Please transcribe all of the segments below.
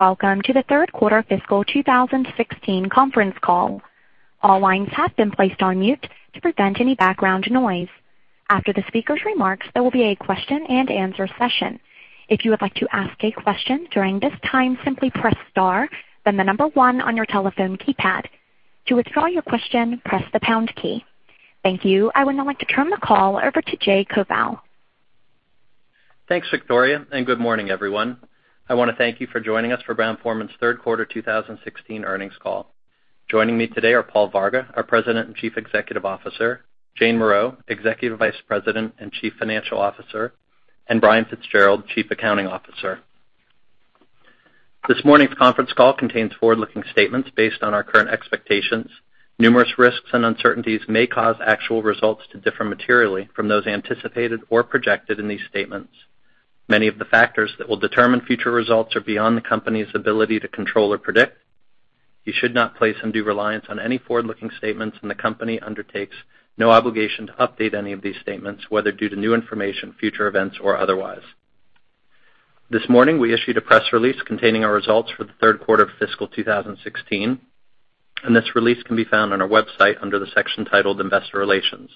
Welcome to the third quarter fiscal 2016 conference call. All lines have been placed on mute to prevent any background noise. After the speaker's remarks, there will be a question and answer session. If you would like to ask a question during this time, simply press star, then the number one on your telephone keypad. To withdraw your question, press the pound key. Thank you. I would now like to turn the call over to Jay Koval. Thanks, Victoria. Good morning, everyone. I want to thank you for joining us for Brown-Forman's third quarter 2016 earnings call. Joining me today are Paul Varga, our President and Chief Executive Officer, Jane Morreau, Executive Vice President and Chief Financial Officer, and Brian Fitzgerald, Chief Accounting Officer. This morning's conference call contains forward-looking statements based on our current expectations. Numerous risks and uncertainties may cause actual results to differ materially from those anticipated or projected in these statements. Many of the factors that will determine future results are beyond the company's ability to control or predict. You should not place undue reliance on any forward-looking statements, and the company undertakes no obligation to update any of these statements, whether due to new information, future events, or otherwise. This morning, we issued a press release containing our results for the third quarter of fiscal 2016. This release can be found on our website under the section titled Investor Relations.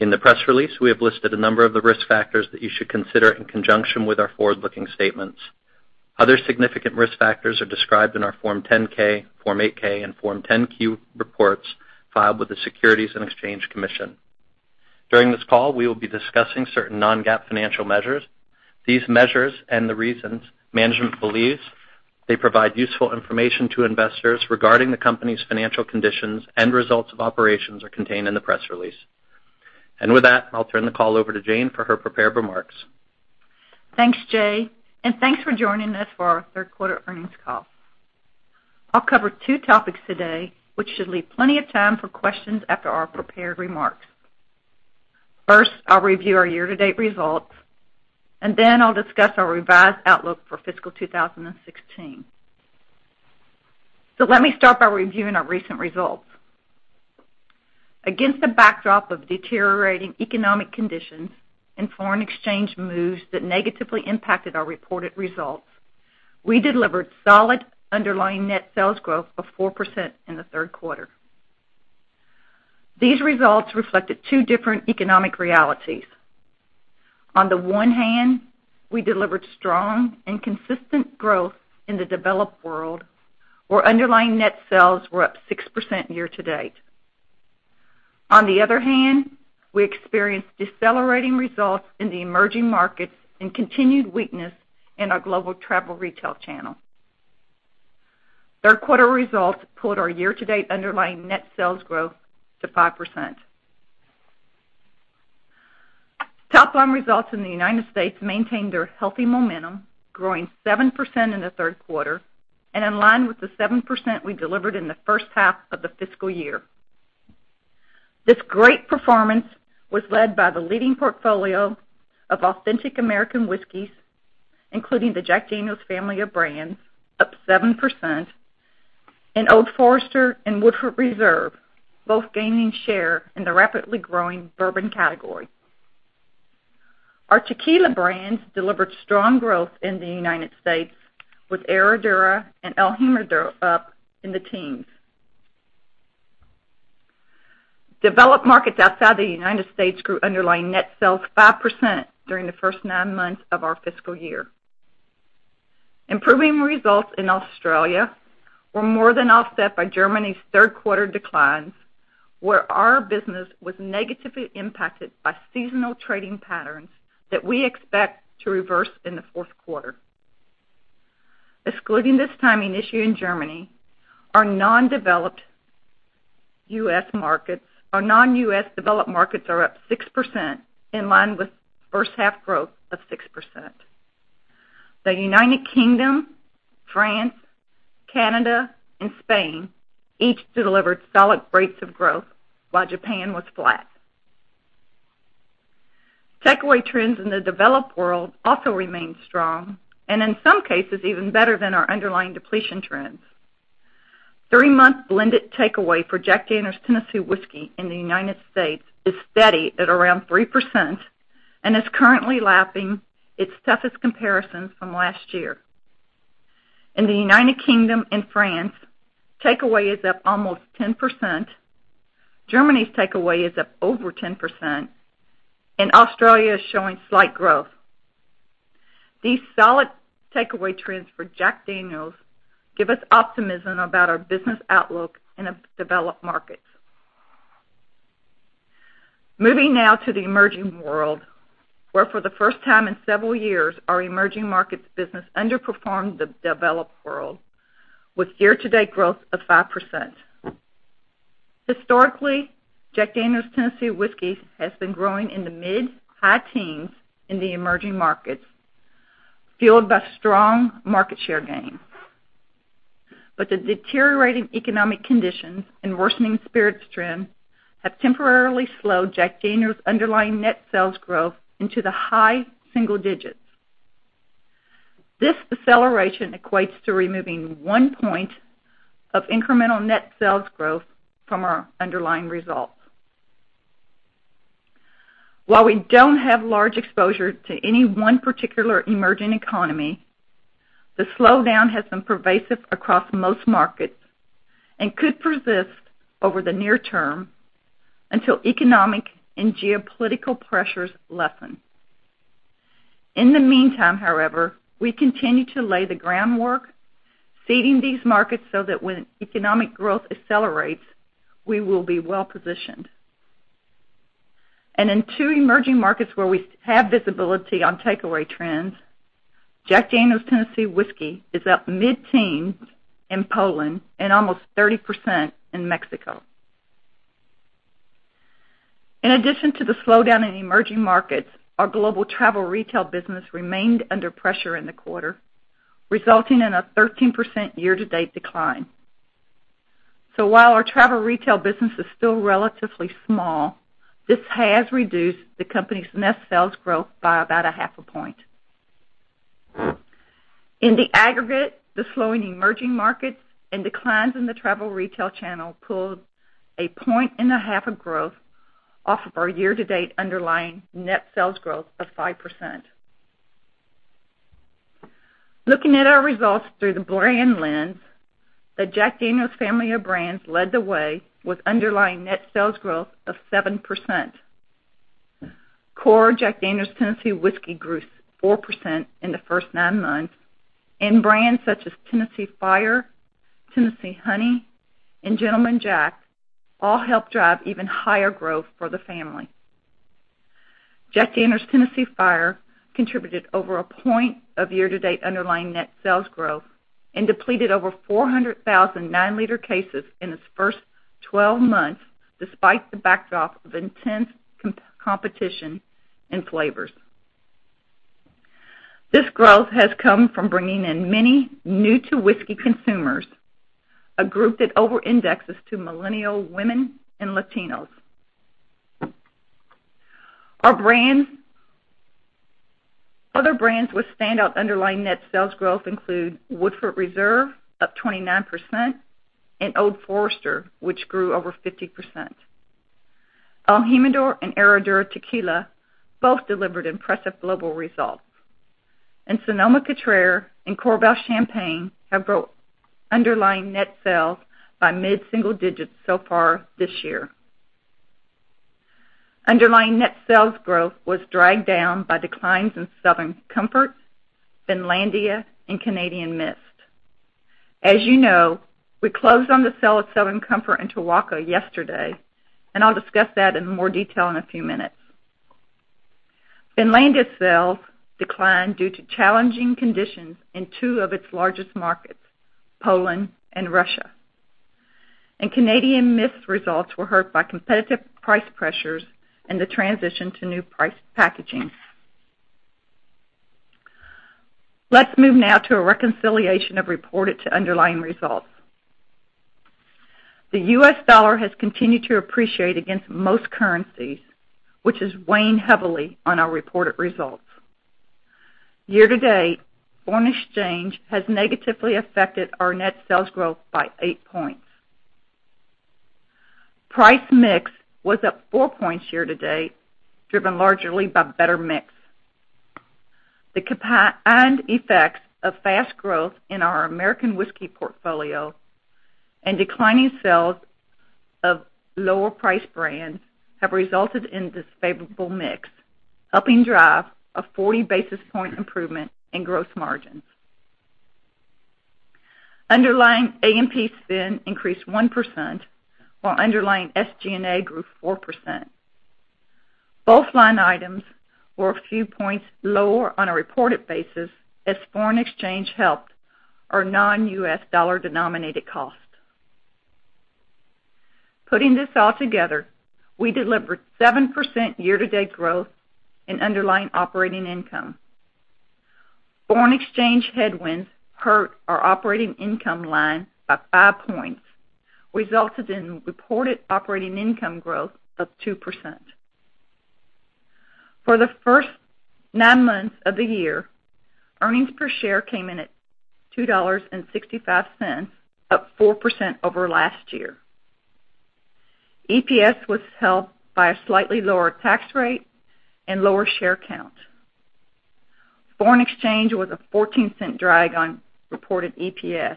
In the press release, we have listed a number of the risk factors that you should consider in conjunction with our forward-looking statements. Other significant risk factors are described in our Form 10-K, Form 8-K, and Form 10-Q reports filed with the Securities and Exchange Commission. During this call, we will be discussing certain non-GAAP financial measures. These measures and the reasons management believes they provide useful information to investors regarding the company's financial conditions and results of operations are contained in the press release. With that, I'll turn the call over to Jane for her prepared remarks. Thanks, Jay. Thanks for joining us for our third quarter earnings call. I'll cover two topics today, which should leave plenty of time for questions after our prepared remarks. First, I'll review our year-to-date results. Then I'll discuss our revised outlook for fiscal 2016. Let me start by reviewing our recent results. Against a backdrop of deteriorating economic conditions and foreign exchange moves that negatively impacted our reported results, we delivered solid underlying net sales growth of 4% in the third quarter. These results reflected two different economic realities. On the one hand, we delivered strong and consistent growth in the developed world, where underlying net sales were up 6% year to date. On the other hand, we experienced decelerating results in the emerging markets and continued weakness in our global travel retail channel. Third quarter results put our year-to-date underlying net sales growth to 5%. Topline results in the U.S. maintained their healthy momentum, growing 7% in the third quarter and in line with the 7% we delivered in the first half of the fiscal year. This great performance was led by the leading portfolio of authentic American whiskeys, including the Jack Daniel's family of brands, up 7%, and Old Forester and Woodford Reserve, both gaining share in the rapidly growing bourbon category. Our tequila brands delivered strong growth in the U.S., with Herradura and el Jimador up in the teens. Developed markets outside the U.S. grew underlying net sales 5% during the first nine months of our fiscal year. Improving results in Australia were more than offset by Germany's third quarter declines, where our business was negatively impacted by seasonal trading patterns that we expect to reverse in the fourth quarter. Excluding this timing issue in Germany, our non-U.S. developed markets are up 6%, in line with first half growth of 6%. The U.K., France, Canada, and Spain each delivered solid rates of growth, while Japan was flat. Takeaway trends in the developed world also remain strong and, in some cases, even better than our underlying depletion trends. Three-month blended takeaway for Jack Daniel's Tennessee Whiskey in the U.S. is steady at around 3% and is currently lapping its toughest comparisons from last year. In the U.K. and France, takeaway is up almost 10%. Germany's takeaway is up over 10%, and Australia is showing slight growth. These solid takeaway trends for Jack Daniel's give us optimism about our business outlook in developed markets. Moving now to the emerging world, where for the first time in several years, our emerging markets business underperformed the developed world with year-to-date growth of 5%. Historically, Jack Daniel's Tennessee Whiskey has been growing in the mid-high teens in the emerging markets, fueled by strong market share gains. The deteriorating economic conditions and worsening spirits trends have temporarily slowed Jack Daniel's underlying net sales growth into the high single digits. This deceleration equates to removing 1 point of incremental net sales growth from our underlying results. While we don't have large exposure to any 1 particular emerging economy, the slowdown has been pervasive across most markets and could persist over the near term until economic and geopolitical pressures lessen. In the meantime, however, we continue to lay the groundwork, seeding these markets so that when economic growth accelerates, we will be well-positioned. In 2 emerging markets where we have visibility on takeaway trends, Jack Daniel's Tennessee Whiskey is up mid-teens in Poland and almost 30% in Mexico. In addition to the slowdown in emerging markets, our global travel retail business remained under pressure in the quarter, resulting in a 13% year-to-date decline. While our travel retail business is still relatively small, this has reduced the company's net sales growth by about half a point. In the aggregate, the slowing emerging markets and declines in the travel retail channel pulled a point and a half of growth off of our year-to-date underlying net sales growth of 5%. Looking at our results through the brand lens, the Jack Daniel's family of brands led the way with underlying net sales growth of 7%. Core Jack Daniel's Tennessee Whiskey grew 4% in the first nine months, and brands such as Jack Daniel's Tennessee Fire, Jack Daniel's Tennessee Honey, and Gentleman Jack all helped drive even higher growth for the family. Jack Daniel's Tennessee Fire contributed over a point of year-to-date underlying net sales growth and depleted over 400,000 nine-liter cases in its first 12 months, despite the backdrop of intense competition in flavors. This growth has come from bringing in many new-to-whiskey consumers, a group that overindexes to millennial women and Latinos. Other brands with standout underlying net sales growth include Woodford Reserve, up 29%, and Old Forester, which grew over 50%. el Jimador and Herradura Tequila both delivered impressive global results, and Sonoma-Cutrer and Korbel have grown underlying net sales by mid-single digits so far this year. Underlying net sales growth was dragged down by declines in Southern Comfort, Finlandia, and Canadian Mist. As you know, we closed on the sale of Southern Comfort and Tuaca yesterday, I'll discuss that in more detail in a few minutes. Finlandia sales declined due to challenging conditions in two of its largest markets, Poland and Russia. Canadian Mist results were hurt by competitive price pressures and the transition to new packaging. Let's move now to a reconciliation of reported to underlying results. The U.S. dollar has continued to appreciate against most currencies, which has weighed heavily on our reported results. Year to date, foreign exchange has negatively affected our net sales growth by eight points. Price mix was up four points year to date, driven largely by better mix. The combined effects of fast growth in our American whiskey portfolio and declining sales of lower-priced brands have resulted in favorable mix, helping drive a 40-basis point improvement in gross margins. Underlying A&P spend increased 1%, while underlying SG&A grew 4%. Both line items were a few points lower on a reported basis, as foreign exchange helped our non-U.S. dollar-denominated costs. Putting this all together, we delivered 7% year-to-date growth in underlying operating income. Foreign exchange headwinds hurt our operating income line by five points, resulting in reported operating income growth of 2%. For the first nine months of the year, earnings per share came in at $2.65, up 4% over last year. EPS was helped by a slightly lower tax rate and lower share count. Foreign exchange was a $0.14 drag on reported EPS.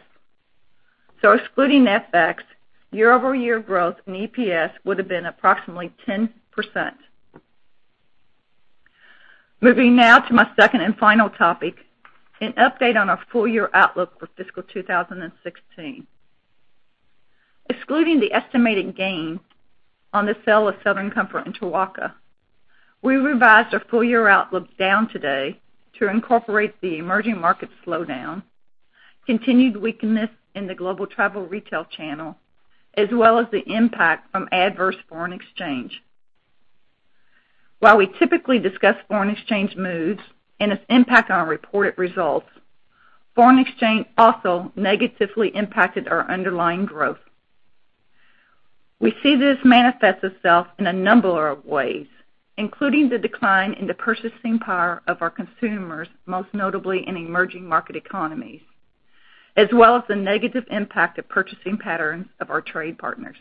Excluding FX, year-over-year growth in EPS would have been approximately 10%. Moving now to my second and final topic, an update on our full-year outlook for fiscal 2016. Excluding the estimated gain on the sale of Southern Comfort and Tuaca, we revised our full-year outlook down today to incorporate the emerging market slowdown, continued weakness in the global travel retail channel, as well as the impact from adverse foreign exchange. While we typically discuss foreign exchange moves and its impact on our reported results, foreign exchange also negatively impacted our underlying growth. We see this manifest itself in a number of ways, including the decline in the purchasing power of our consumers, most notably in emerging market economies. As well as the negative impact of purchasing patterns of our trade partners.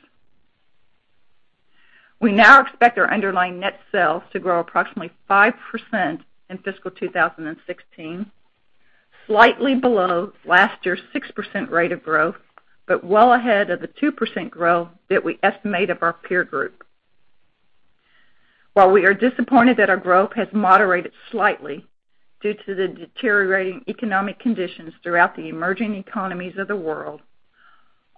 We now expect our underlying net sales to grow approximately 5% in fiscal 2016, slightly below last year's 6% rate of growth, but well ahead of the 2% growth that we estimate of our peer group. While we are disappointed that our growth has moderated slightly due to the deteriorating economic conditions throughout the emerging economies of the world,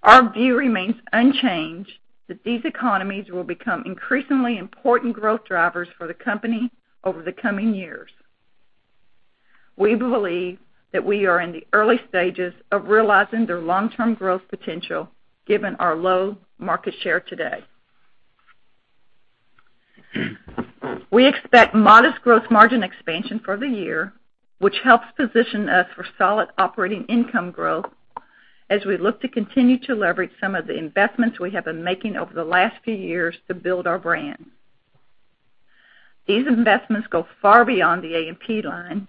our view remains unchanged that these economies will become increasingly important growth drivers for the company over the coming years. We believe that we are in the early stages of realizing their long-term growth potential given our low market share today. We expect modest growth margin expansion for the year, which helps position us for solid operating income growth as we look to continue to leverage some of the investments we have been making over the last few years to build our brand. These investments go far beyond the A&P line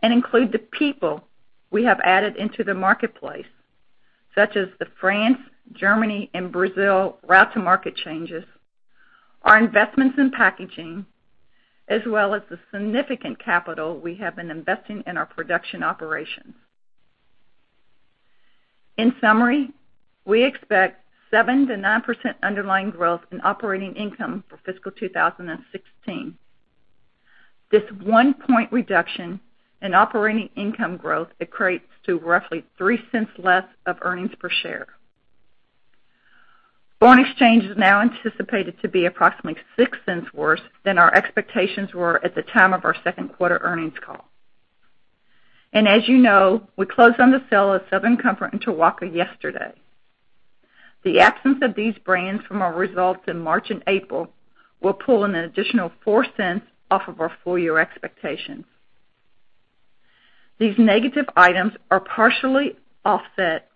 and include the people we have added into the marketplace, such as the France, Germany, and Brazil route-to-market changes, our investments in packaging, as well as the significant capital we have been investing in our production operations. In summary, we expect 7%-9% underlying growth in operating income for fiscal 2016. This one point reduction in operating income growth equates to roughly $0.03 less of earnings per share. Foreign exchange is now anticipated to be approximately $0.06 worse than our expectations were at the time of our second quarter earnings call. As you know, we closed on the sale of Southern Comfort and Tuaca yesterday. The absence of these brands from our results in March and April will pull an additional $0.04 off of our full-year expectations. These negative items are partially offset by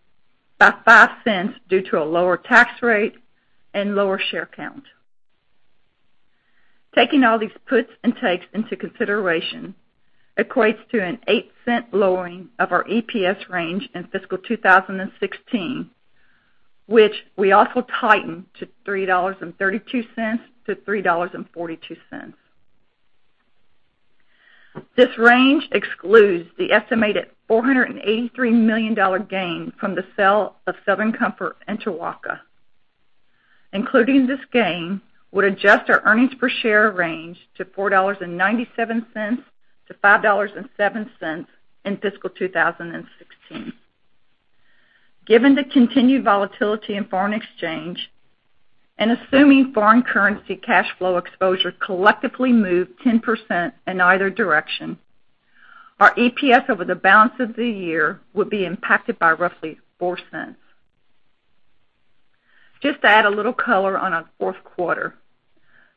$0.05 due to a lower tax rate and lower share count. Taking all these puts and takes into consideration equates to an $0.08 lowering of our EPS range in fiscal 2016, which we also tightened to $3.32-$3.42. This range excludes the estimated $483 million gain from the sale of Southern Comfort and Tuaca. Including this gain would adjust our earnings per share range to $4.97-$5.07 in fiscal 2016. Given the continued volatility in foreign exchange, and assuming foreign currency cash flow exposure collectively moved 10% in either direction, our EPS over the balance of the year would be impacted by roughly $0.04. Just to add a little color on our fourth quarter.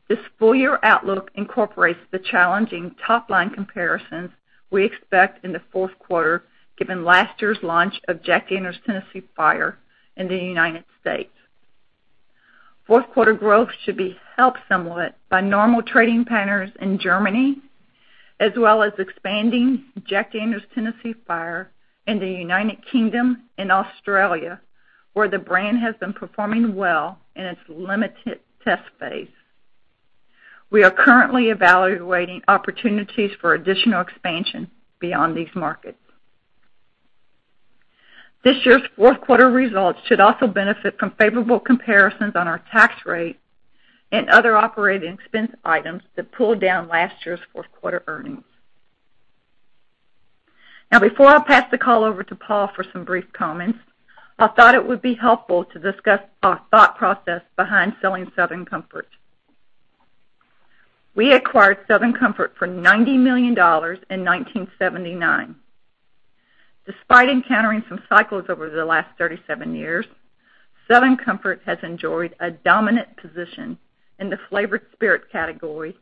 This full-year outlook incorporates the challenging top-line comparisons we expect in the fourth quarter given last year's launch of Jack Daniel's Tennessee Fire in the U.S. Fourth quarter growth should be helped somewhat by normal trading patterns in Germany, as well as expanding Jack Daniel's Tennessee Fire in the U.K. and Australia, where the brand has been performing well in its limited test phase. We are currently evaluating opportunities for additional expansion beyond these markets. This year's fourth quarter results should also benefit from favorable comparisons on our tax rate and other operating expense items that pulled down last year's fourth quarter earnings. Before I pass the call over to Paul for some brief comments, I thought it would be helpful to discuss our thought process behind selling Southern Comfort. We acquired Southern Comfort for $90 million in 1979. Despite encountering some cycles over the last 37 years, Southern Comfort has enjoyed a dominant position in the flavored spirit category,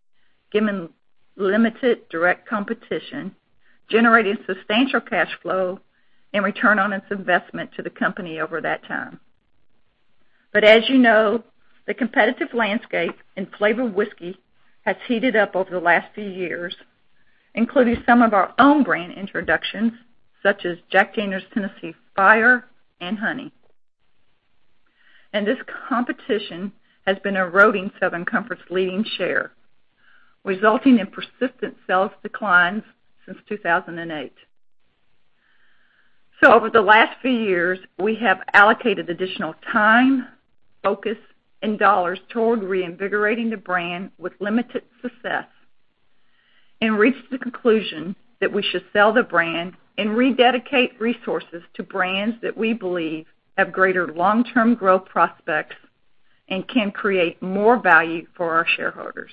given limited direct competition, generating substantial cash flow and return on its investment to the company over that time. As you know, the competitive landscape in flavored whiskey has heated up over the last few years, including some of our own brand introductions, such as Jack Daniel's Tennessee Fire and Jack Daniel's Tennessee Honey. This competition has been eroding Southern Comfort's leading share, resulting in persistent sales declines since 2008. Over the last few years, we have allocated additional time, focus, and dollars toward reinvigorating the brand with limited success, and reached the conclusion that we should sell the brand and rededicate resources to brands that we believe have greater long-term growth prospects and can create more value for our shareholders.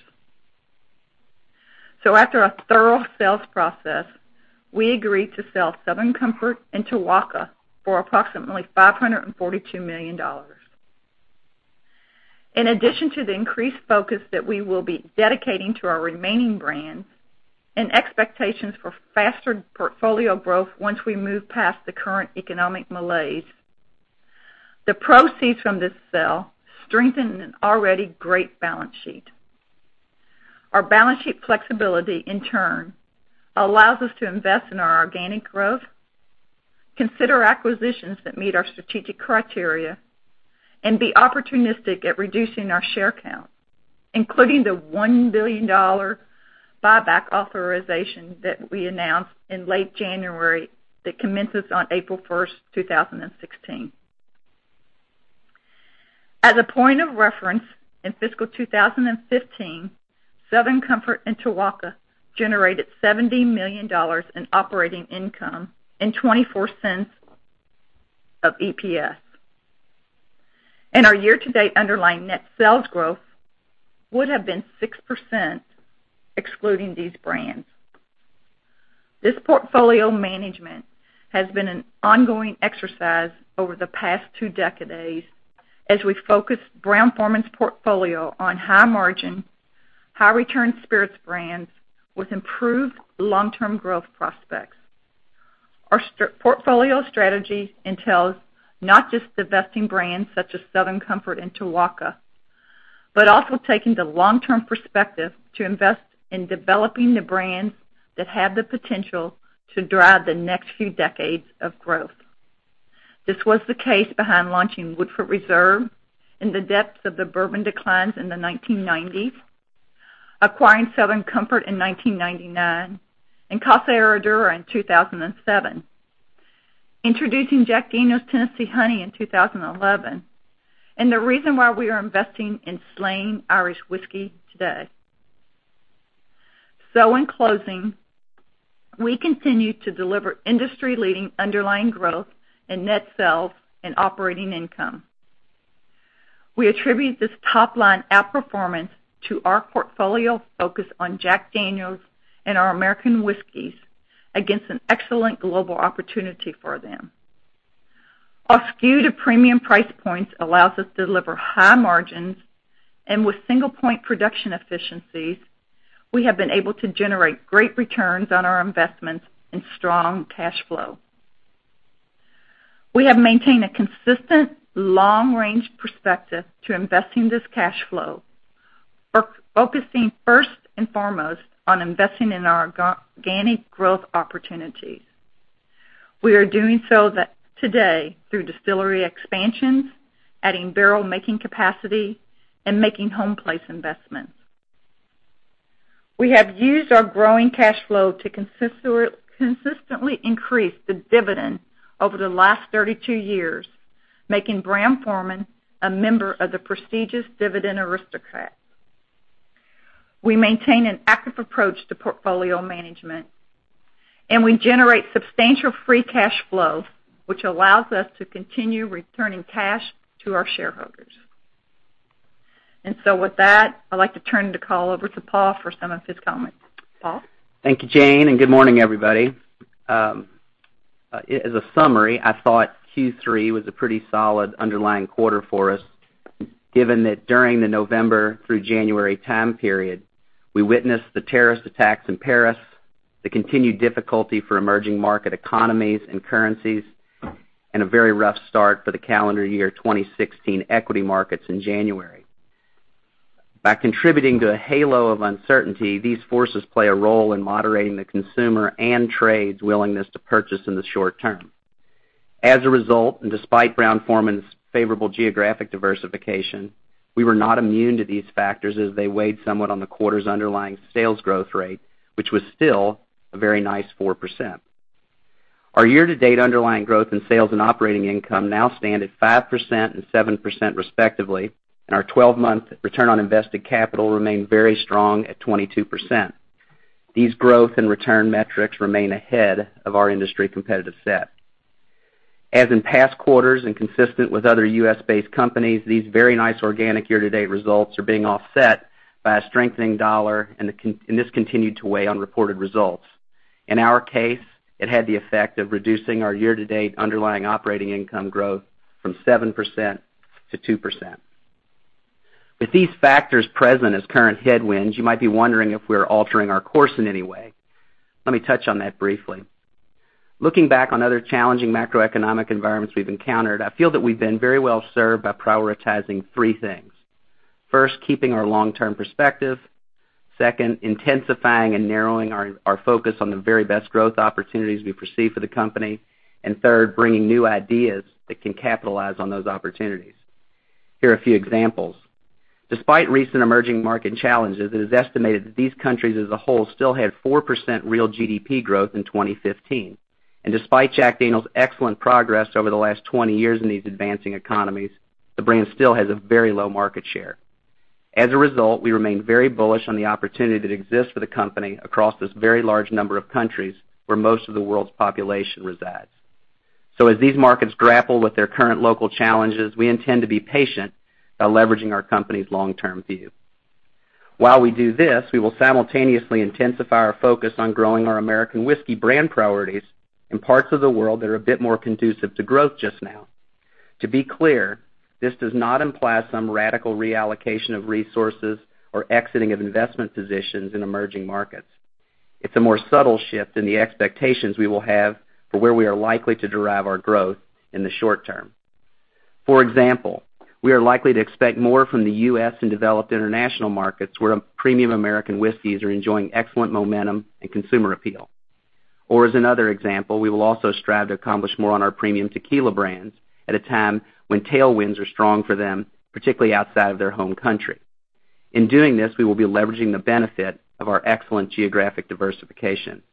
After a thorough sales process, we agreed to sell Southern Comfort and Tuaca for approximately $542 million. In addition to the increased focus that we will be dedicating to our remaining brands and expectations for faster portfolio growth once we move past the current economic malaise, the proceeds from this sale strengthen an already great balance sheet. Our balance sheet flexibility, in turn, allows us to invest in our organic growth, consider acquisitions that meet our strategic criteria, and be opportunistic at reducing our share count, including the $1 billion buyback authorization that we announced in late January that commences on April 1st, 2016. As a point of reference, in fiscal 2015, Southern Comfort and Tuaca generated $70 million in operating income and $0.24 of EPS. Our year-to-date underlying net sales growth would have been 6% excluding these brands. This portfolio management has been an ongoing exercise over the past two decades as we focus Brown-Forman's portfolio on high-margin, high-return spirits brands with improved long-term growth prospects. Our portfolio strategy entails not just divesting brands such as Southern Comfort and Tuaca, but also taking the long-term perspective to invest in developing the brands that have the potential to drive the next few decades of growth. This was the case behind launching Woodford Reserve in the depths of the bourbon declines in the 1990s, acquiring Southern Comfort in 1979, and Casa Herradura in 2007, introducing Jack Daniel's Tennessee Honey in 2011, and the reason why we are investing in Slane Irish Whiskey today. In closing, we continue to deliver industry-leading underlying growth in net sales and operating income. We attribute this top-line outperformance to our portfolio focus on Jack Daniel's and our American whiskeys against an excellent global opportunity for them. Our skew to premium price points allows us to deliver high margins, and with single-point production efficiencies, we have been able to generate great returns on our investments and strong cash flow. We have maintained a consistent long-range perspective to investing this cash flow. We are focusing first and foremost on investing in our organic growth opportunities. We are doing so today through distillery expansions, adding barrel-making capacity, and making home place investments. We have used our growing cash flow to consistently increase the dividend over the last 32 years, making Brown-Forman a member of the prestigious Dividend Aristocrats. We maintain an active approach to portfolio management, and we generate substantial free cash flow, which allows us to continue returning cash to our shareholders. With that, I'd like to turn the call over to Paul for some of his comments. Paul? Thank you, Jane, good morning, everybody. As a summary, I thought Q3 was a pretty solid underlying quarter for us, given that during the November through January time period, we witnessed the terrorist attacks in Paris, the continued difficulty for emerging market economies and currencies, and a very rough start for the calendar year 2016 equity markets in January. By contributing to a halo of uncertainty, these forces play a role in moderating the consumer and trade's willingness to purchase in the short term. As a result, and despite Brown-Forman's favorable geographic diversification, we were not immune to these factors as they weighed somewhat on the quarter's underlying sales growth rate, which was still a very nice 4%. Our year-to-date underlying growth in sales and operating income now stand at 5% and 7% respectively, and our 12-month return on invested capital remained very strong at 22%. These growth and return metrics remain ahead of our industry competitive set. As in past quarters and consistent with other U.S.-based companies, these very nice organic year-to-date results are being offset by a strengthening dollar, and this continued to weigh on reported results. In our case, it had the effect of reducing our year-to-date underlying operating income growth from 7% to 2%. With these factors present as current headwinds, you might be wondering if we're altering our course in any way. Let me touch on that briefly. Looking back on other challenging macroeconomic environments we've encountered, I feel that we've been very well-served by prioritizing three things. First, keeping our long-term perspective. Second, intensifying and narrowing our focus on the very best growth opportunities we perceive for the company. Third, bringing new ideas that can capitalize on those opportunities. Here are a few examples. Despite recent emerging market challenges, it is estimated that these countries as a whole still had 4% real GDP growth in 2015. Despite Jack Daniel's excellent progress over the last 20 years in these advancing economies, the brand still has a very low market share. As a result, we remain very bullish on the opportunity that exists for the company across this very large number of countries where most of the world's population resides. As these markets grapple with their current local challenges, we intend to be patient by leveraging our company's long-term view. While we do this, we will simultaneously intensify our focus on growing our American whiskey brand priorities in parts of the world that are a bit more conducive to growth just now. To be clear, this does not imply some radical reallocation of resources or exiting of investment positions in emerging markets. It's a more subtle shift in the expectations we will have for where we are likely to derive our growth in the short term. For example, we are likely to expect more from the U.S. and developed international markets where premium American whiskeys are enjoying excellent momentum and consumer appeal. As another example, we will also strive to accomplish more on our premium tequila brands at a time when tailwinds are strong for them, particularly outside of their home country. In doing this, we will be leveraging the benefit of our excellent geographic diversification.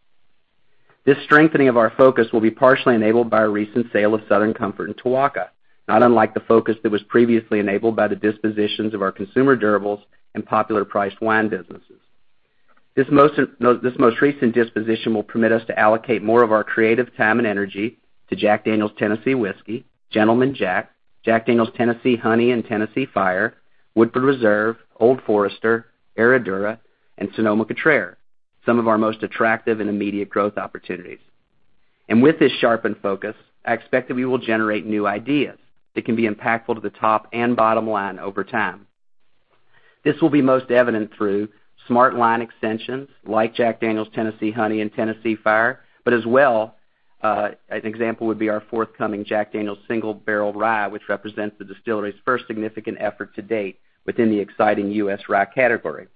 This strengthening of our focus will be partially enabled by our recent sale of Southern Comfort and Tuaca, not unlike the focus that was previously enabled by the dispositions of our consumer durables and popular priced wine businesses. This most recent disposition will permit us to allocate more of our creative time and energy to Jack Daniel's Tennessee Whiskey, Gentleman Jack Daniel's Tennessee Honey and Tennessee Fire, Woodford Reserve, Old Forester, Herradura, and Sonoma-Cutrer, some of our most attractive and immediate growth opportunities. With this sharpened focus, I expect that we will generate new ideas that can be impactful to the top and bottom line over time. This will be most evident through smart line extensions like Jack Daniel's Tennessee Honey and Tennessee Fire, but as well, an example would be our forthcoming Jack Daniel's Single Barrel Rye, which represents the distillery's first significant effort to date within the exciting U.S. rye category.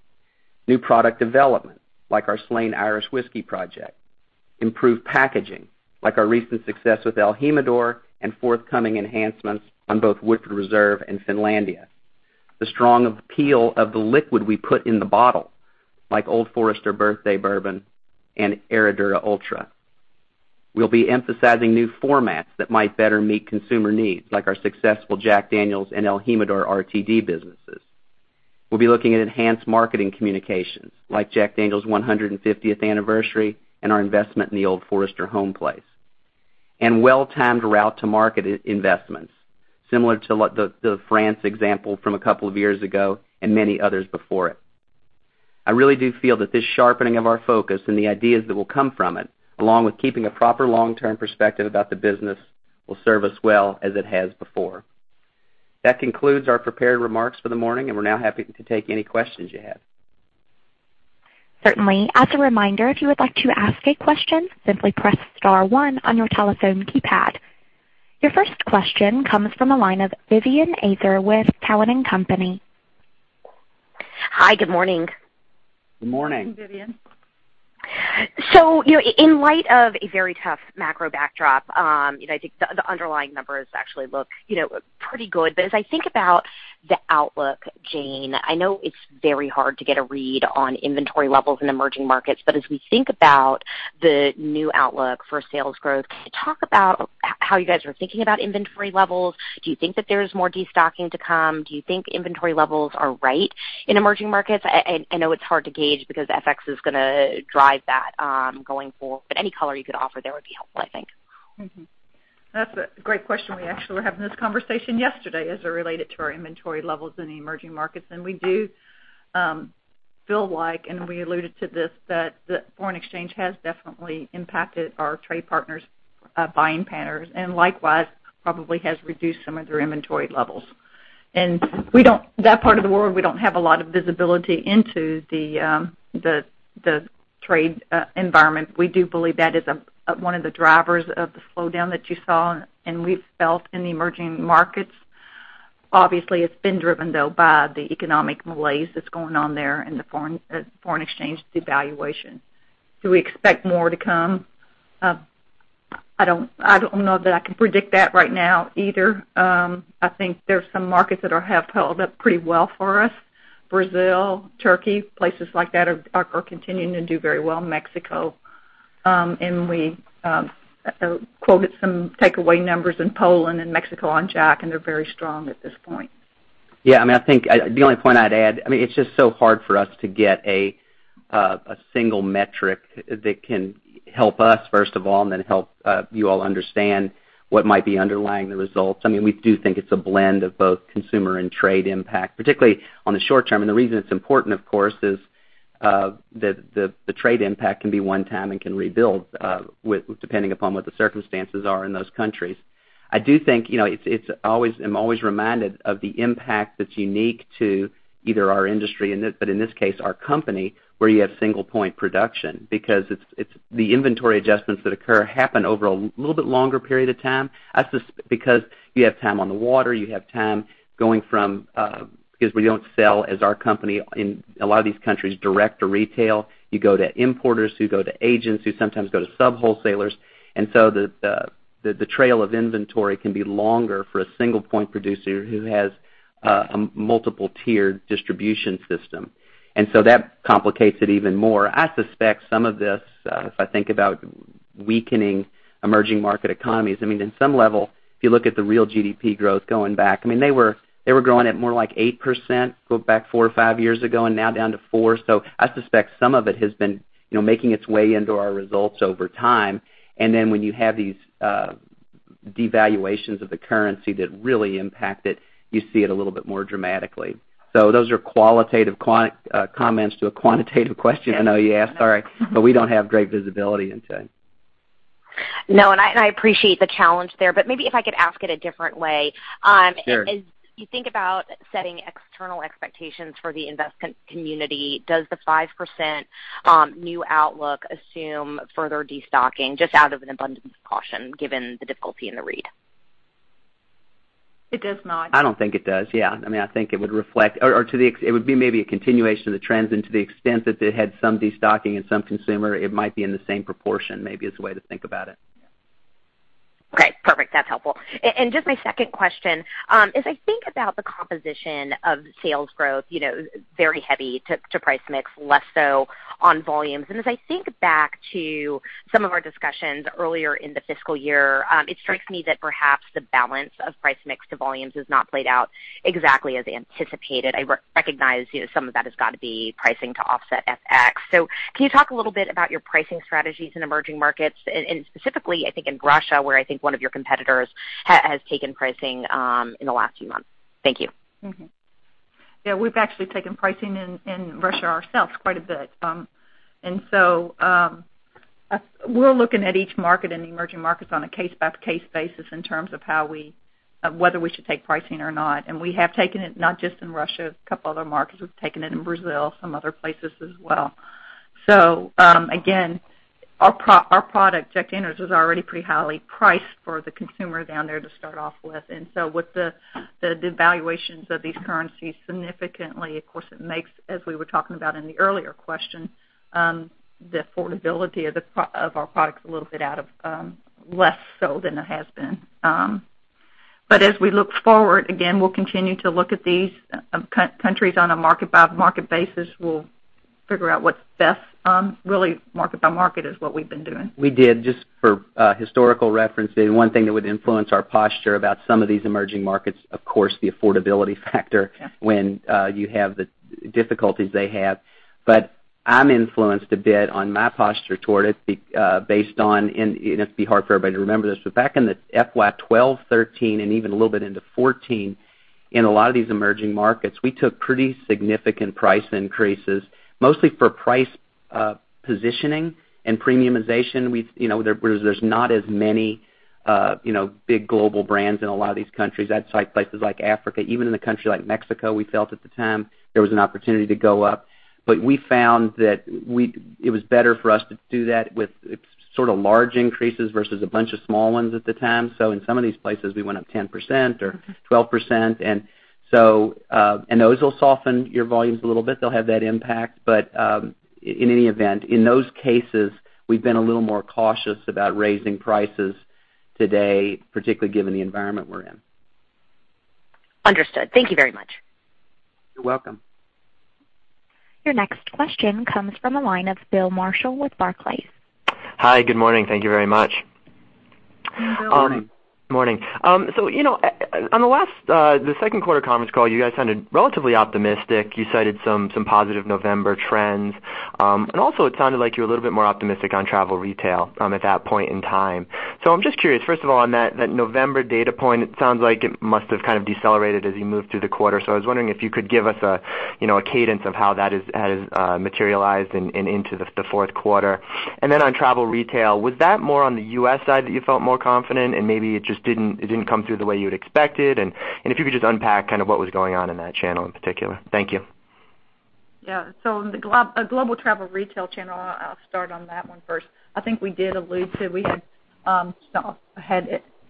New product development, like our Slane Irish Whiskey project. Improved packaging, like our recent success with el Jimador and forthcoming enhancements on both Woodford Reserve and Finlandia. The strong appeal of the liquid we put in the bottle, like Old Forester Birthday Bourbon and Herradura Ultra. We'll be emphasizing new formats that might better meet consumer needs, like our successful Jack Daniel's and el Jimador RTD businesses. We'll be looking at enhanced marketing communications like Jack Daniel's 150th anniversary and our investment in the Old Forester Homeplace. Well-timed route-to-market investments, similar to the France example from two years ago and many others before it. I really do feel that this sharpening of our focus and the ideas that will come from it, along with keeping a proper long-term perspective about the business, will serve us well as it has before. That concludes our prepared remarks for the morning, and we're now happy to take any questions you have. Certainly. As a reminder, if you would like to ask a question, simply press star one on your telephone keypad. Your first question comes from the line of Vivien Azer with Cowen and Company. Hi, good morning. Good morning. Good morning, Vivien. In light of a very tough macro backdrop, I think the underlying numbers actually look pretty good. As I think about the outlook, Jane Morreau, I know it's very hard to get a read on inventory levels in emerging markets, but as we think about the new outlook for sales growth, can you talk about how you guys are thinking about inventory levels? Do you think that there's more destocking to come? Do you think inventory levels are right in emerging markets? I know it's hard to gauge because FX is going to drive that, going forward, but any color you could offer there would be helpful, I think. That's a great question. We actually were having this conversation yesterday as it related to our inventory levels in the emerging markets, and we do feel like, and we alluded to this, that foreign exchange has definitely impacted our trade partners' buying patterns and likewise probably has reduced some of their inventory levels. That part of the world, we don't have a lot of visibility into the trade environment. We do believe that is one of the drivers of the slowdown that you saw and we've felt in the emerging markets. Obviously, it's been driven, though, by the economic malaise that's going on there and the foreign exchange devaluation. Do we expect more to come? I don't know that I can predict that right now either. I think there's some markets that have held up pretty well for us. Brazil, Turkey, places like that are continuing to do very well. Mexico. We quoted some takeaway numbers in Poland and Mexico on Jack, and they're very strong at this point. Yeah, the only point I'd add, it's just so hard for us to get a single metric that can help us, first of all, and then help you all understand what might be underlying the results. We do think it's a blend of both consumer and trade impact, particularly on the short term. The reason it's important, of course, is that the trade impact can be one time and can rebuild, depending upon what the circumstances are in those countries. I'm always reminded of the impact that's unique to either our industry, but in this case, our company, where you have single point production, because it's the inventory adjustments that occur happen over a little bit longer period of time. That's just because you have time on the water, you have time going from, because we don't sell as our company in a lot of these countries direct to retail. You go to importers who go to agents who sometimes go to sub-wholesalers. The trail of inventory can be longer for a single point producer who has a multiple tiered distribution system. That complicates it even more. I suspect some of this, if I think about weakening emerging market economies, in some level, if you look at the real GDP growth going back, they were growing at more like 8%, go back four or five years ago and now down to four. I suspect some of it has been making its way into our results over time. When you have these devaluations of the currency that really impact it, you see it a little bit more dramatically. Those are qualitative comments to a quantitative question I know you asked. Sorry. We don't have great visibility into it. No. I appreciate the challenge there. Maybe if I could ask it a different way. Sure. As you think about setting external expectations for the investment community, does the 5% new outlook assume further destocking, just out of an abundance of caution, given the difficulty in the read? It does not. I don't think it does. I think it would reflect, or it would be maybe a continuation of the trends and to the extent that they had some de-stocking in some consumer, it might be in the same proportion, maybe is a way to think about it. Okay, perfect. That's helpful. Just my second question, as I think about the composition of sales growth, very heavy to price mix, less so on volumes. As I think back to some of our discussions earlier in the fiscal year, it strikes me that perhaps the balance of price mix to volumes has not played out exactly as anticipated. I recognize some of that has got to be pricing to offset FX. Can you talk a little bit about your pricing strategies in emerging markets and specifically, I think in Russia, where I think one of your competitors has taken pricing in the last few months? Thank you. We've actually taken pricing in Russia ourselves quite a bit. We're looking at each market in the emerging markets on a case-by-case basis in terms of whether we should take pricing or not. We have taken it not just in Russia, a couple other markets. We've taken it in Brazil, some other places as well. Again, our product, Jack Daniel's, was already pretty highly priced for the consumer down there to start off with. With the devaluations of these currencies significantly, of course, it makes, as we were talking about in the earlier question, the affordability of our products a little bit less so than it has been. As we look forward, again, we'll continue to look at these countries on a market-by-market basis. We'll figure out what's best. Really market by market is what we've been doing. We did, just for historical reference, the one thing that would influence our posture about some of these emerging markets, of course, the affordability factor when you have the difficulties they have. I'm influenced a bit on my posture toward it based on, and it must be hard for everybody to remember this, but back in the FY 2012, 2013, and even a little bit into 2014, in a lot of these emerging markets, we took pretty significant price increases, mostly for price positioning and premiumization. There's not as many big global brands in a lot of these countries. That's like places like Africa. Even in a country like Mexico, we felt at the time there was an opportunity to go up. We found that it was better for us to do that with sort of large increases versus a bunch of small ones at the time. In some of these places, we went up 10% or 12%, and those will soften your volumes a little bit. They'll have that impact. In any event, in those cases, we've been a little more cautious about raising prices today, particularly given the environment we're in. Understood. Thank you very much. You're welcome. Your next question comes from the line of Bill Marshall with Barclays. Hi, good morning. Thank you very much. Good morning. Morning. On the second quarter conference call, you guys sounded relatively optimistic. You cited some positive November trends. It sounded like you were a little bit more optimistic on travel retail at that point in time. I'm just curious, first of all, on that November data point, it sounds like it must have kind of decelerated as you moved through the quarter. I was wondering if you could give us a cadence of how that has materialized and into the fourth quarter. On travel retail, was that more on the U.S. side that you felt more confident and maybe it didn't come through the way you'd expected? If you could just unpack what was going on in that channel in particular. Thank you. The global travel retail channel, I'll start on that one first. I think we did allude to, we had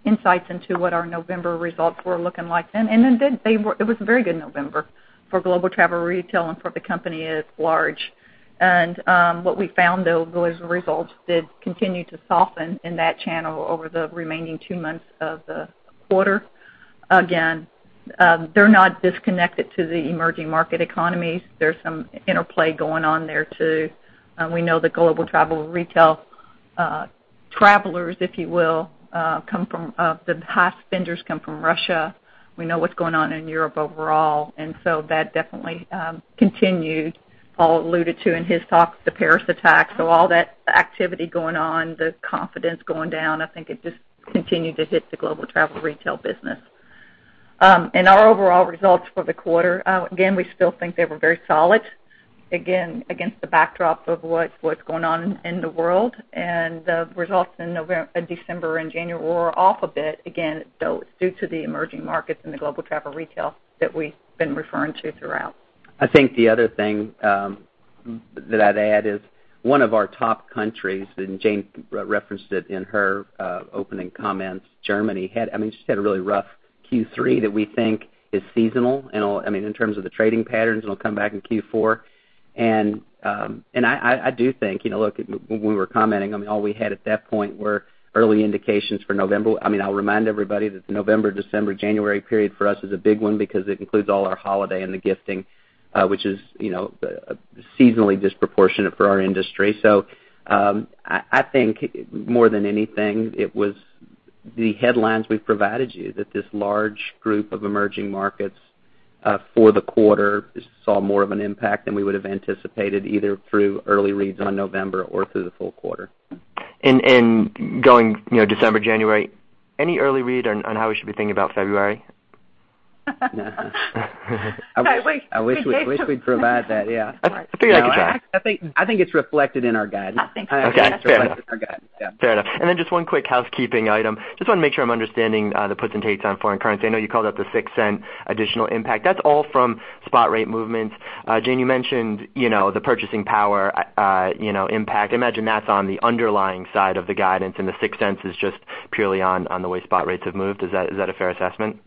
insights into what our November results were looking like then, it was a very good November for global travel retail and for the company at large. What we found, though, was results did continue to soften in that channel over the remaining two months of the quarter. Again, they're not disconnected to the emerging market economies. There's some interplay going on there, too. We know the global travel retail travelers, if you will, the high spenders come from Russia. We know what's going on in Europe overall, that definitely continued. Paul alluded to in his talk, the Paris attack. All that activity going on, the confidence going down, I think it just continued to hit the global travel retail business. Our overall results for the quarter, again, we still think they were very solid, again, against the backdrop of what's going on in the world. The results in December and January were off a bit, again, due to the emerging markets in the global travel retail that we've been referring to throughout. I think the other thing that I'd add is one of our top countries, Jane referenced it in her opening comments, Germany. She had a really rough Q3 that we think is seasonal, in terms of the trading patterns, it'll come back in Q4. I do think, look, when we were commenting, all we had at that point were early indications for November. I'll remind everybody that the November, December, January period for us is a big one because it includes all our holiday and the gifting, which is seasonally disproportionate for our industry. I think more than anything, it was the headlines we provided you that this large group of emerging markets, for the quarter, saw more of an impact than we would have anticipated, either through early reads on November or through the full quarter. Going December, January, any early read on how we should be thinking about February? I wish. I wish we'd provide that, yeah. I figured I could try. I think it's reflected in our guidance. I think so, yes. Okay, fair enough. It's reflected in our guidance, yeah. Fair enough. Then just one quick housekeeping item. Just want to make sure I'm understanding the puts and takes on foreign currency. I know you called out the $0.06 additional impact. That's all from spot rate movements. Jane, you mentioned the purchasing power impact. I imagine that's on the underlying side of the guidance, and the $0.06 is just purely on the way spot rates have moved. Is that a fair assessment?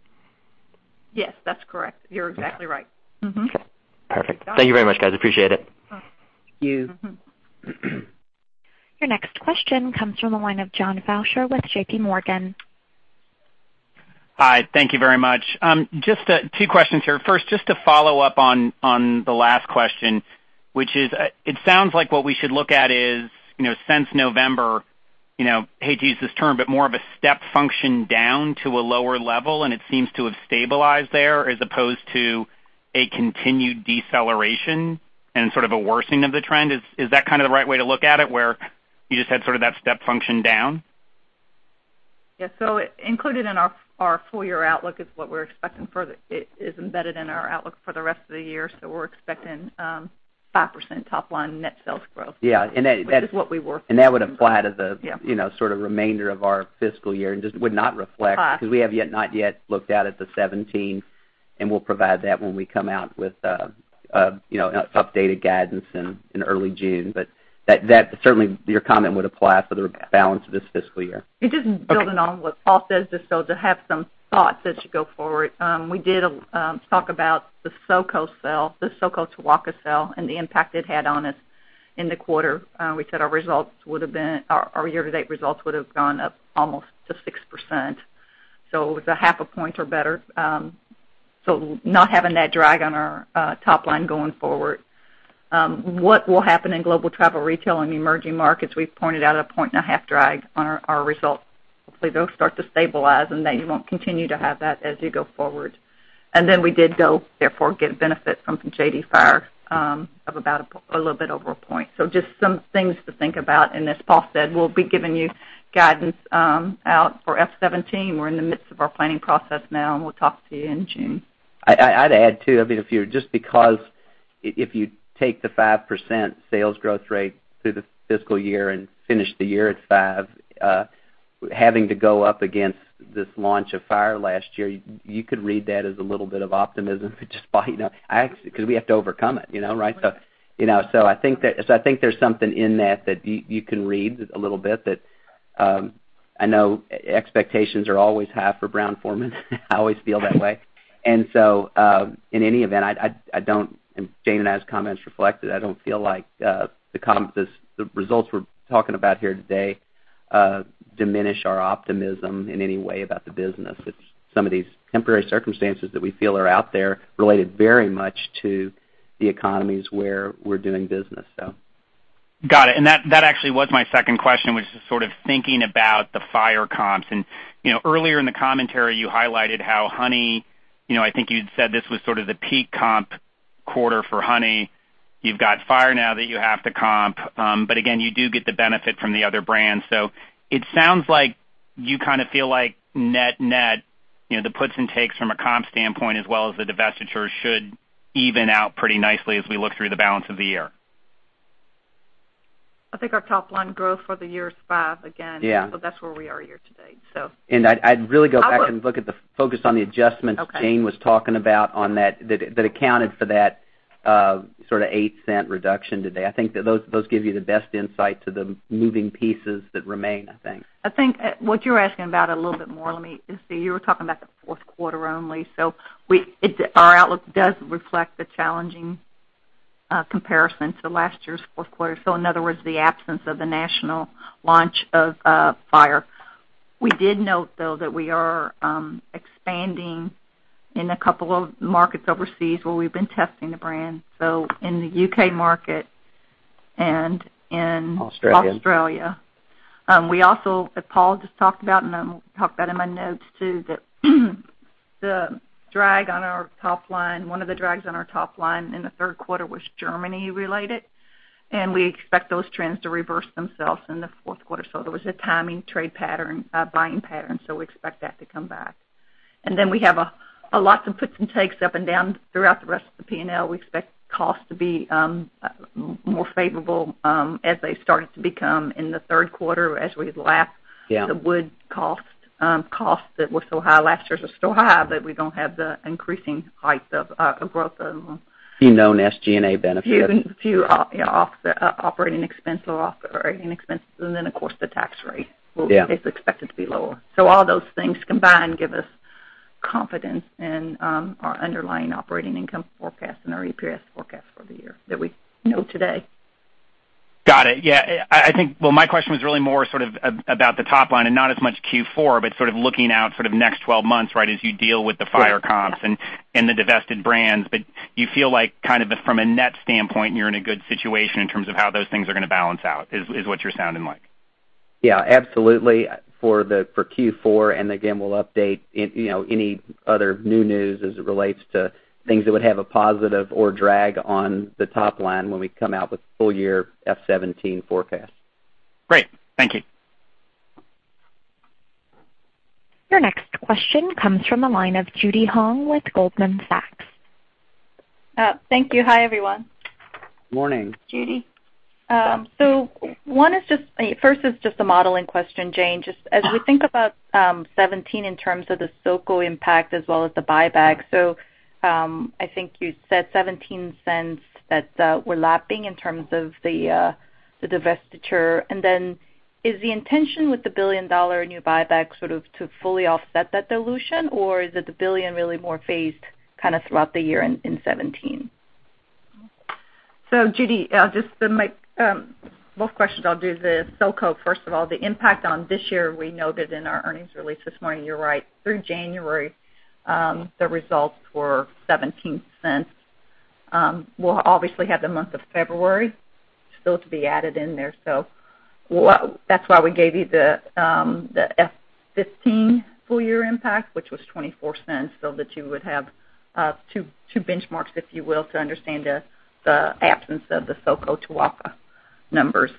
Yes, that's correct. You're exactly right. Okay, perfect. Thank you very much, guys. Appreciate it. Thank you. Your next question comes from the line of John Faucher with JPMorgan. Hi. Thank you very much. Just two questions here. First, just to follow up on the last question, which is, it sounds like what we should look at is, since November, hate to use this term, but more of a step function down to a lower level, and it seems to have stabilized there as opposed to a continued deceleration and sort of a worsening of the trend. Is that kind of the right way to look at it, where you just had sort of that step function down? Yes. Included in our full-year outlook is what we're expecting. It is embedded in our outlook for the rest of the year, so we're expecting 5% top-line net sales growth. Yeah. Which is what we. That would apply to. Yeah sort of remainder of our fiscal year and just would not reflect. Uh- We have not yet looked out at the 2017, and we'll provide that when we come out with updated guidance in early June. That certainly, your comment would apply for the balance of this fiscal year. Okay. Building on what Paul says, just to have some thoughts as you go forward. We did talk about the SoCo sale, the SoCo-Tuaca sale, and the impact it had on us in the quarter. We said our year-to-date results would've gone up almost to 6%, so it was a half a point or better. Not having that drag on our top line going forward. What will happen in global travel retail and the emerging markets, we've pointed out a point and a half drag on our results. Hopefully, they'll start to stabilize, and you won't continue to have that as you go forward. We did, though, therefore, get a benefit from JD Fire of about a little bit over a point. Just some things to think about. As Paul said, we'll be giving you guidance out for F 2017. We're in the midst of our planning process now, and we'll talk to you in June. I'd add, too, just because if you take the 5% sales growth rate through the fiscal year and finish the year at 5%, having to go up against this launch of Fire last year, you could read that as a little bit of optimism, just because we have to overcome it, right? I think there's something in that that you can read a little bit. That I know expectations are always high for Brown-Forman. I always feel that way. In any event, I don't, and Jane and I's comments reflect it, I don't feel like the results we're talking about here today diminish our optimism in any way about the business. It's some of these temporary circumstances that we feel are out there related very much to the economies where we're doing business. Got it. That actually was my second question, was just sort of thinking about the Fire comps. Earlier in the commentary, you highlighted how Honey, I think you'd said this was sort of the peak comp quarter for Honey. You've got Fire now that you have to comp, but again, you do get the benefit from the other brands. It sounds like you kind of feel like net-net, the puts and takes from a comp standpoint as well as the divestiture should even out pretty nicely as we look through the balance of the year. I think our top-line growth for the year is 5% again. Yeah. That's where we are year-to-date. I'd really go back and look at the focus on the adjustments. Okay Jane was talking about on that accounted for that sort of $0.08 reduction today. I think that those give you the best insight to the moving pieces that remain, I think. I think what you're asking about a little bit more, let me just see, you were talking about the fourth quarter only. Our outlook does reflect the challenging comparison to last year's fourth quarter. In other words, the absence of the national launch of Fire. We did note, though, that we are expanding in a couple of markets overseas where we've been testing the brand, so in the U.K. market and in Australia Australia. We also, as Paul just talked about, and I talked about in my notes, too, that the drag on our top line, one of the drags on our top line in the third quarter was Germany related, and we expect those trends to reverse themselves in the fourth quarter. There was a timing trade pattern, buying pattern, so we expect that to come back. Then we have lots of puts and takes up and down throughout the rest of the P&L. We expect costs to be more favorable as they started to become in the third quarter as we lapped. Yeah the wood costs. Costs that were so high last year are still high. We don't have the increasing heights of growth of them. The known SG&A benefits. Few operating expenses, then, of course, the tax rate. Yeah. It's expected to be lower. All those things combined give us confidence in our underlying operating income forecast and our EPS forecast for the year that we know today. I think, well, my question was really more sort of about the top line and not as much Q4, but sort of looking out sort of next 12 months, right, as you deal with the Fire comps and the divested brands. You feel like kind of from a net standpoint, you're in a good situation in terms of how those things are going to balance out, is what you're sounding like. Absolutely. For Q4, again, we'll update any other new news as it relates to things that would have a positive or drag on the top line when we come out with full-year F17 forecast. Great. Thank you. Your next question comes from the line of Judy Hong with Goldman Sachs. Thank you. Hi, everyone. Morning. Judy. First is just a modeling question, Jane. Just as we think about 2017 in terms of the SoCo impact as well as the buyback, so I think you said $0.17 that were lapping in terms of the divestiture. Is the intention with the $1 billion new buyback sort of to fully offset that dilution, or is it the $1 billion really more phased kind of throughout the year in 2017? Judy, both questions. I'll do the SoCo first of all. The impact on this year, we noted in our earnings release this morning, you're right. Through January, the results were $0.17. We'll obviously have the month of February still to be added in there. That's why we gave you the F 2015 full year impact, which was $0.24, so that you would have two benchmarks, if you will, to understand the absence of the SoCo Tuaca numbers.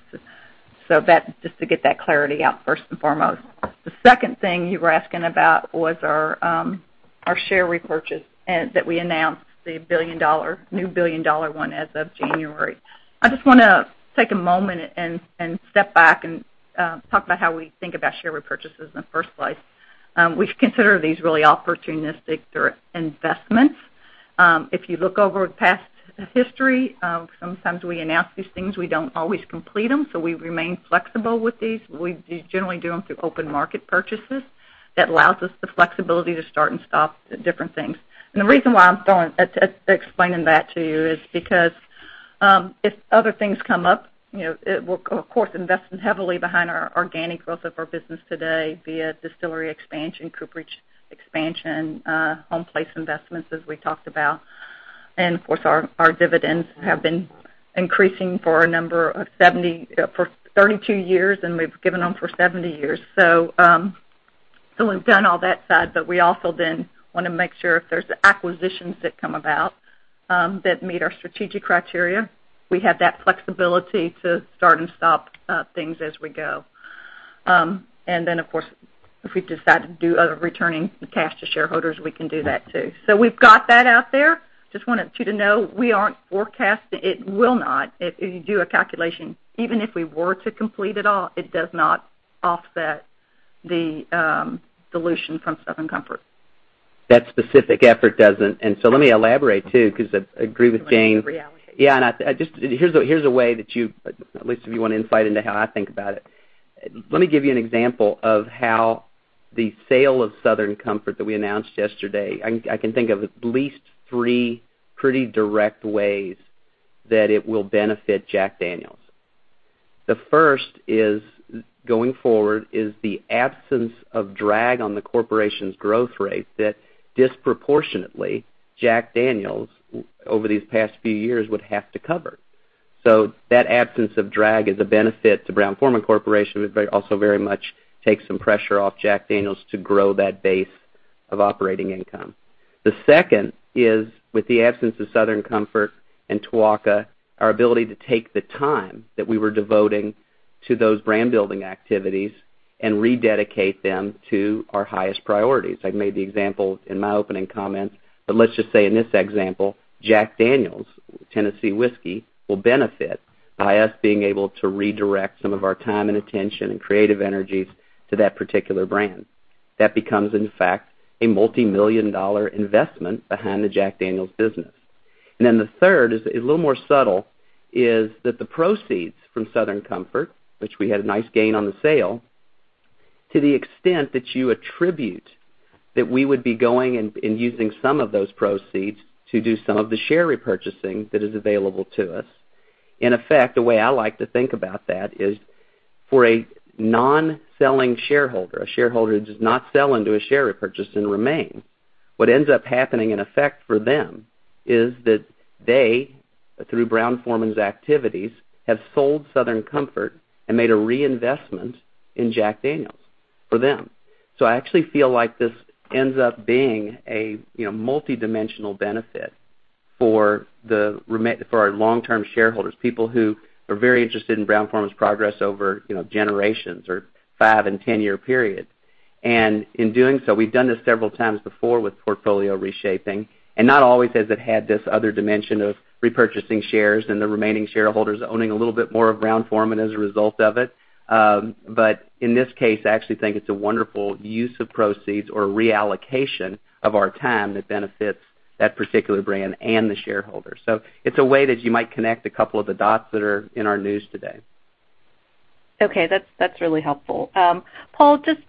That, just to get that clarity out first and foremost. The second thing you were asking about was our share repurchase, and that we announced the new $1 billion one as of January. I just want to take a moment and step back and talk about how we think about share repurchases in the first place. We consider these really opportunistic investments. If you look over past history, sometimes we announce these things, we don't always complete them, so we remain flexible with these. We generally do them through open market purchases. That allows us the flexibility to start and stop different things. The reason why I'm explaining that to you is because, if other things come up, we're of course, investing heavily behind our organic growth of our business today via distillery expansion, cooperage expansion, home place investments, as we talked about. Of course, our dividends have been increasing for 32 years, and we've given them for 70 years. We've done all that side, but we also then want to make sure if there's acquisitions that come about, that meet our strategic criteria, we have that flexibility to start and stop things as we go. If we decide to do a returning the cash to shareholders, we can do that too. We've got that out there. Just wanted you to know we aren't forecasting. It will not, if you do a calculation, even if we were to complete it all, it does not offset the dilution from Southern Comfort. That specific effort doesn't. Let me elaborate, too, because I agree with Jane. Reallocation. Here's a way that you, at least if you want insight into how I think about it. Let me give you an example of how the sale of Southern Comfort that we announced yesterday, I can think of at least three pretty direct ways that it will benefit Jack Daniel's. The first is, going forward, is the absence of drag on the corporation's growth rate that disproportionately, Jack Daniel's, over these past few years, would have to cover. That absence of drag is a benefit to Brown-Forman Corporation, but also very much takes some pressure off Jack Daniel's to grow that base of operating income. The second is, with the absence of Southern Comfort and Tuaca, our ability to take the time that we were devoting to those brand-building activities and rededicate them to our highest priorities. I made the example in my opening comments, let's just say in this example, Jack Daniel's Tennessee Whiskey will benefit by us being able to redirect some of our time and attention and creative energies to that particular brand. That becomes, in fact, a multimillion-dollar investment behind the Jack Daniel's business. The third is a little more subtle, is that the proceeds from Southern Comfort, which we had a nice gain on the sale, to the extent that you attribute that we would be going and using some of those proceeds to do some of the share repurchasing that is available to us. In effect, the way I like to think about that is for a non-selling shareholder, a shareholder who does not sell into a share repurchase and remain, what ends up happening in effect for them, is that they, through Brown-Forman's activities, have sold Southern Comfort and made a reinvestment in Jack Daniel's for them. I actually feel like this ends up being a multi-dimensional benefit for our long-term shareholders, people who are very interested in Brown-Forman's progress over generations or five- and 10-year periods. In doing so, we've done this several times before with portfolio reshaping, and not always has it had this other dimension of repurchasing shares and the remaining shareholders owning a little bit more of Brown-Forman as a result of it. In this case, I actually think it's a wonderful use of proceeds or reallocation of our time that benefits that particular brand and the shareholders. It's a way that you might connect a couple of the dots that are in our news today. Okay. That's really helpful. Paul, just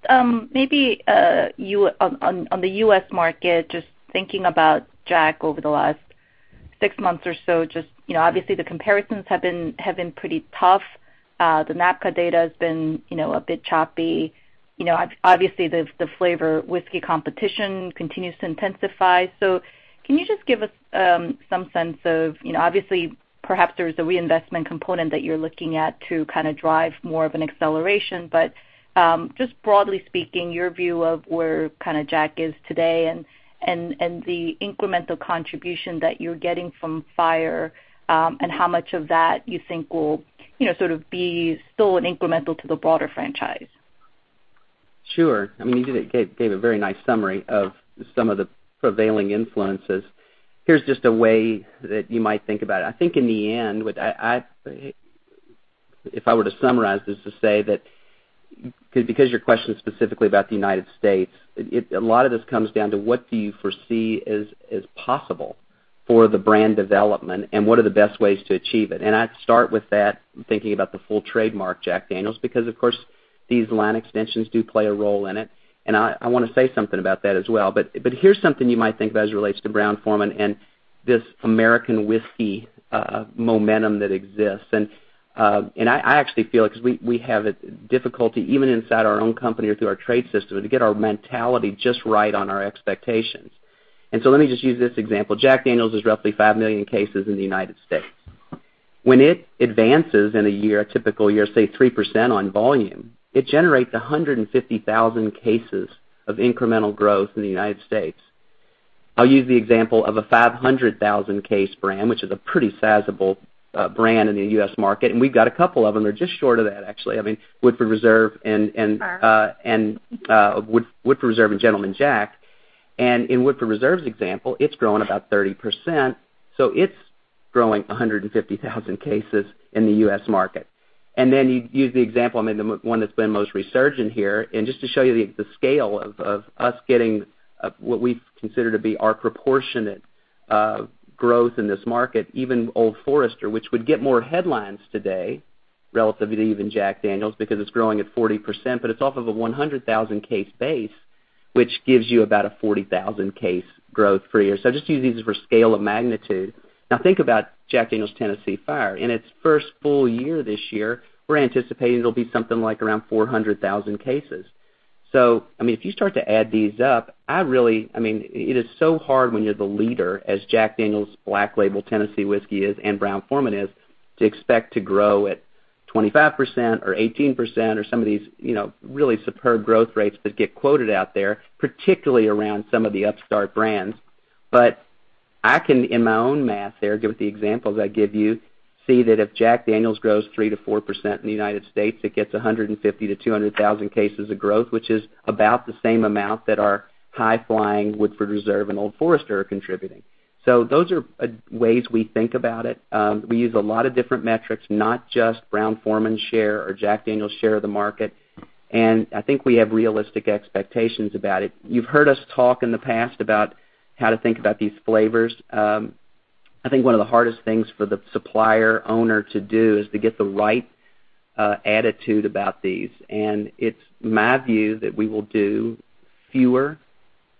maybe on the U.S. market, just thinking about Jack over the last six months or so, obviously the comparisons have been pretty tough. The NABCA data has been a bit choppy. Obviously, the flavor whiskey competition continues to intensify. Can you just give us some sense of, obviously, perhaps there's a reinvestment component that you're looking at to kind of drive more of an acceleration, but just broadly speaking, your view of where Jack is today and the incremental contribution that you're getting from Fire, and how much of that you think will sort of be still an incremental to the broader franchise? Sure. You gave a very nice summary of some of the prevailing influences. Here's just a way that you might think about it. I think in the end, if I were to summarize this to say that, because your question is specifically about the United States, a lot of this comes down to what do you foresee is possible for the brand development, and what are the best ways to achieve it. I'd start with that, thinking about the full trademark Jack Daniel's, because, of course, these line extensions do play a role in it. I want to say something about that as well. Here's something you might think of as it relates to Brown-Forman and this American whiskey momentum that exists. I actually feel, because we have a difficulty, even inside our own company or through our trade system, to get our mentality just right on our expectations. Let me just use this example. Jack Daniel's is roughly 5 million cases in the United States. When it advances in a year, a typical year, say 3% on volume, it generates 150,000 cases of incremental growth in the United States. I'll use the example of a 500,000 case brand, which is a pretty sizable brand in the U.S. market, and we've got a couple of them. They're just short of that, actually. Woodford Reserve and Gentleman Jack. In Woodford Reserve's example, it's grown about 30%, so it's growing 150,000 cases in the U.S. market. You use the example, maybe the one that's been most resurgent here. Just to show you the scale of us getting what we consider to be our proportionate growth in this market, even Old Forester, which would get more headlines today relative to even Jack Daniel's, because it's growing at 40%, but it's off of a 100,000 case base, which gives you about a 40,000 case growth per year. Just use these for scale of magnitude. Now, think about Jack Daniel's Tennessee Fire. In its first full year this year, we're anticipating it'll be something like around 400,000 cases. If you start to add these up, it is so hard when you're the leader, as Jack Daniel's Black Label Tennessee Whiskey is, and Brown-Forman is, to expect to grow at 25% or 18% or some of these really superb growth rates that get quoted out there, particularly around some of the upstart brands. I can, in my own math there, with the examples I give you, see that if Jack Daniel's grows 3%-4% in the United States, it gets 150,000-200,000 cases of growth, which is about the same amount that our high-flying Woodford Reserve and Old Forester are contributing. Those are ways we think about it. We use a lot of different metrics, not just Brown-Forman share or Jack Daniel's share of the market, I think we have realistic expectations about it. You've heard us talk in the past about how to think about these flavors. I think one of the hardest things for the supplier owner to do is to get the right attitude about these, it's my view that we will do fewer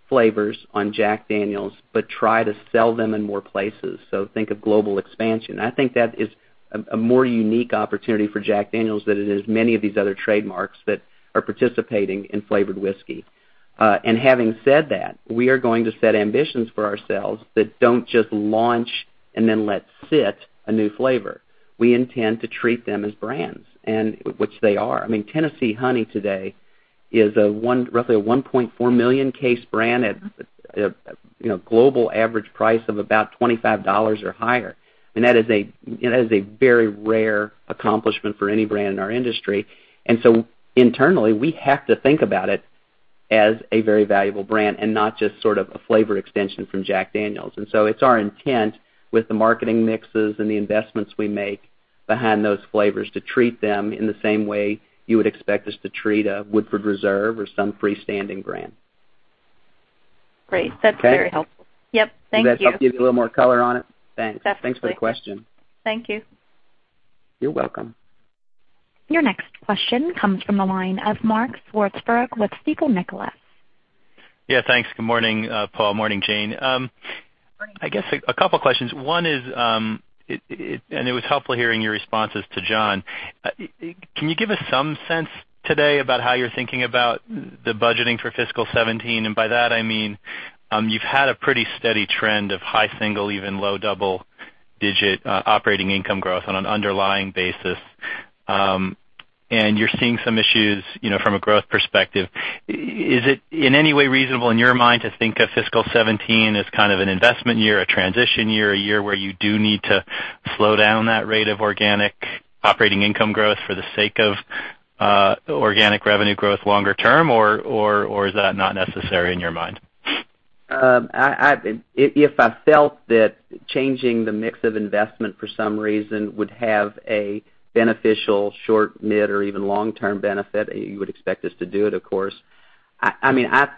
flavors on Jack Daniel's, but try to sell them in more places. Think of global expansion. I think that is a more unique opportunity for Jack Daniel's than it is many of these other trademarks that are participating in flavored whiskey. Having said that, we are going to set ambitions for ourselves that don't just launch and then let sit a new flavor. We intend to treat them as brands, which they are. Tennessee Honey today is roughly a 1.4 million case brand at a global average price of about $25 or higher. That is a very rare accomplishment for any brand in our industry. Internally, we have to think about it as a very valuable brand and not just sort of a flavor extension from Jack Daniel's. It's our intent with the marketing mixes and the investments we make behind those flavors to treat them in the same way you would expect us to treat a Woodford Reserve or some freestanding brand. Great. That's very helpful. Yep. Thank you. Does that help give you a little more color on it? Thanks. That's great. Thanks for the question. Thank you. You're welcome. Your next question comes from the line of Mark Swartzberg with Stifel Nicolaus. Yeah, thanks. Good morning, Paul. Morning, Jane. Morning. I guess a couple questions. One is, it was helpful hearing your responses to John. Can you give us some sense today about how you're thinking about the budgeting for fiscal 2017? By that, I mean, you've had a pretty steady trend of high single, even low double-digit operating income growth on an underlying basis. You're seeing some issues from a growth perspective. Is it in any way reasonable in your mind to think of fiscal 2017 as kind of an investment year, a transition year, a year where you do need to slow down that rate of organic operating income growth for the sake of organic revenue growth longer term? Or is that not necessary in your mind? If I felt that changing the mix of investment for some reason would have a beneficial short, mid, or even long-term benefit, you would expect us to do it, of course.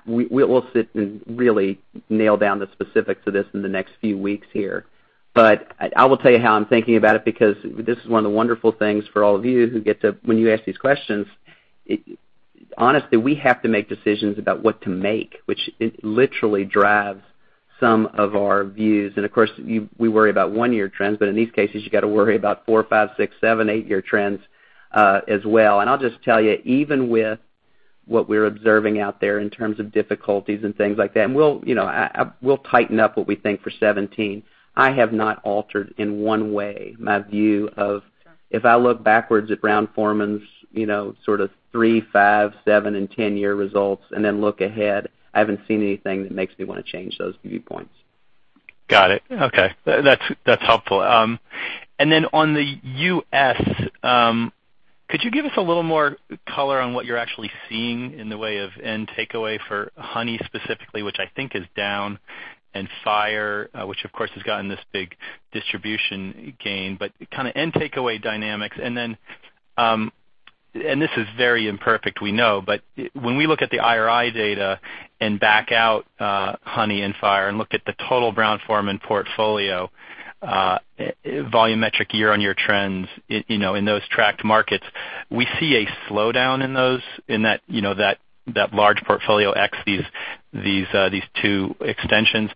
We'll sit and really nail down the specifics of this in the next few weeks here. I will tell you how I'm thinking about it, because this is one of the wonderful things for all of you who get to, when you ask these questions, honestly, we have to make decisions about what to make, which literally drives some of our views. Of course, we worry about one-year trends, but in these cases, you got to worry about four, five, six, seven, eight-year trends as well. I'll just tell you, even with what we're observing out there in terms of difficulties and things like that, we'll tighten up what we think for 2017. I have not altered in one way my view of, if I look backwards at Brown-Forman's sort of three, five, seven, and 10-year results and then look ahead, I haven't seen anything that makes me want to change those viewpoints. Got it. Okay. That's helpful. Then on the U.S. Could you give us a little more color on what you're actually seeing in the way of end takeaway for Honey specifically, which I think is down, and Fire, which, of course, has gotten this big distribution gain. End takeaway dynamics, and this is very imperfect, we know. When we look at the IRI data and back out Honey and Fire and look at the total Brown-Forman portfolio, volumetric year-on-year trends in those tracked markets, we see a slowdown in that large portfolio ex these two extensions,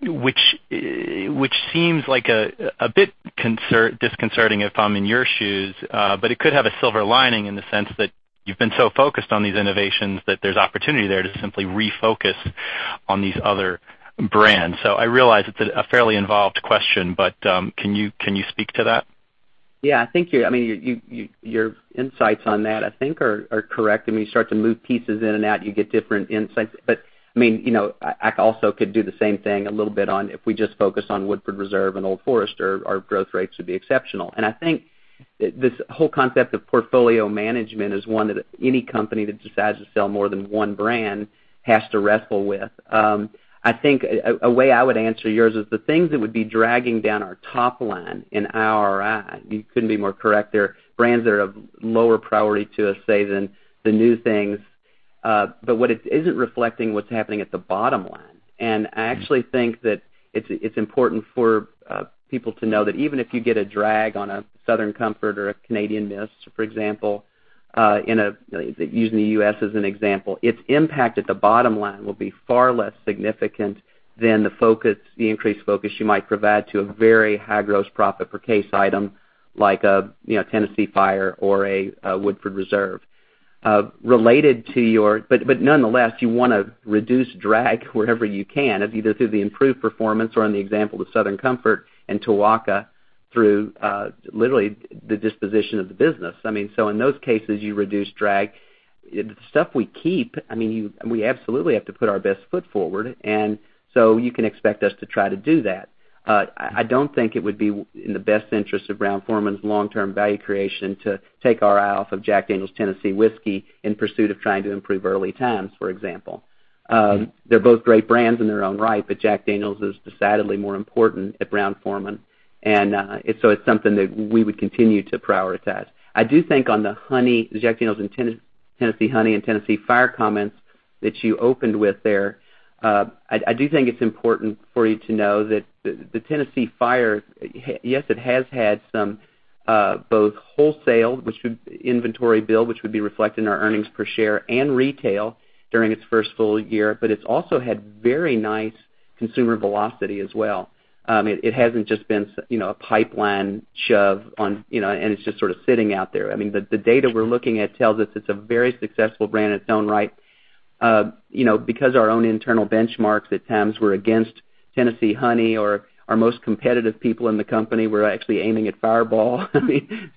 which seems a bit disconcerting if I'm in your shoes. It could have a silver lining in the sense that you've been so focused on these innovations that there's opportunity there to simply refocus on these other brands. I realize it's a fairly involved question, can you speak to that? Yeah, your insights on that, I think, are correct. When you start to move pieces in and out, you get different insights. I also could do the same thing a little bit on if we just focus on Woodford Reserve and Old Forester, our growth rates would be exceptional. I think this whole concept of portfolio management is one that any company that decides to sell more than one brand has to wrestle with. I think a way I would answer yours is the things that would be dragging down our top line in IRI, you couldn't be more correct. There are brands that are of lower priority to us, say, than the new things. What it isn't reflecting what's happening at the bottom line, I actually think that it's important for people to know that even if you get a drag on a Southern Comfort or a Canadian Mist, for example, using the U.S. as an example, its impact at the bottom line will be far less significant than the increased focus you might provide to a very high gross profit per case item like a Tennessee Fire or a Woodford Reserve. Nonetheless, you want to reduce drag wherever you can, either through the improved performance or on the example of Southern Comfort and Tuaca through, literally, the disposition of the business. In those cases, you reduce drag. The stuff we keep, we absolutely have to put our best foot forward, so you can expect us to try to do that. I don't think it would be in the best interest of Brown-Forman's long-term value creation to take our eye off of Jack Daniel's Tennessee Whiskey in pursuit of trying to improve Early Times, for example. They're both great brands in their own right, Jack Daniel's is decidedly more important at Brown-Forman, so it's something that we would continue to prioritize. I do think on the Jack Daniel's and Tennessee Honey and Tennessee Fire comments that you opened with there, I do think it's important for you to know that the Tennessee Fire, yes, it has had some both wholesale inventory build, which would be reflected in our earnings per share, and retail during its first full year, but it's also had very nice consumer velocity as well. It hasn't just been a pipeline shove, and it's just sort of sitting out there. The data we're looking at tells us it's a very successful brand in its own right. Our own internal benchmarks at times were against Tennessee Honey or our most competitive people in the company were actually aiming at Fireball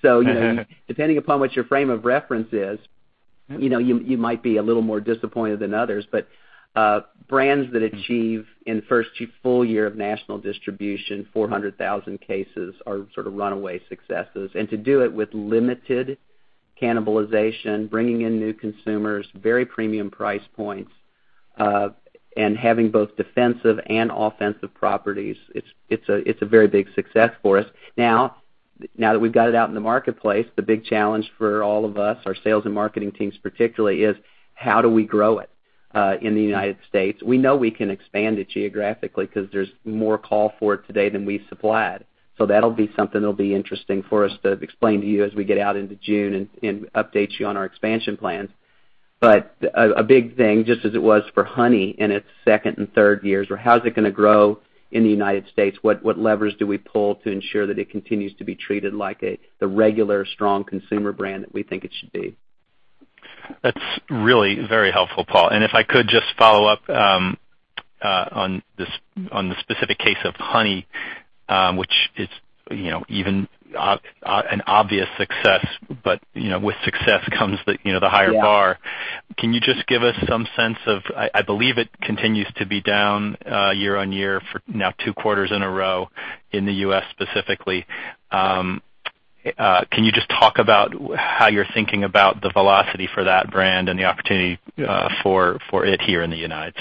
so, depending upon what your frame of reference is, you might be a little more disappointed than others. Brands that achieve, in the first full year of national distribution, 400,000 cases are sort of runaway successes, and to do it with limited cannibalization, bringing in new consumers, very premium price points, and having both defensive and offensive properties, it's a very big success for us. Now that we've got it out in the marketplace, the big challenge for all of us, our sales and marketing teams particularly, is how do we grow it in the United States? We know we can expand it geographically because there's more call for it today than we've supplied. That'll be something that'll be interesting for us to explain to you as we get out into June and update you on our expansion plans. A big thing, just as it was for Honey in its second and third years, or how's it going to grow in the U.S.? What levers do we pull to ensure that it continues to be treated like the regular strong consumer brand that we think it should be? That's really very helpful, Paul. If I could just follow up on the specific case of Honey, which is an obvious success, with success comes the higher bar. Yeah. Can you just give us some sense of, I believe it continues to be down year-over-year for now two quarters in a row in the U.S. specifically. Can you just talk about how you're thinking about the velocity for that brand and the opportunity for it here in the U.S.?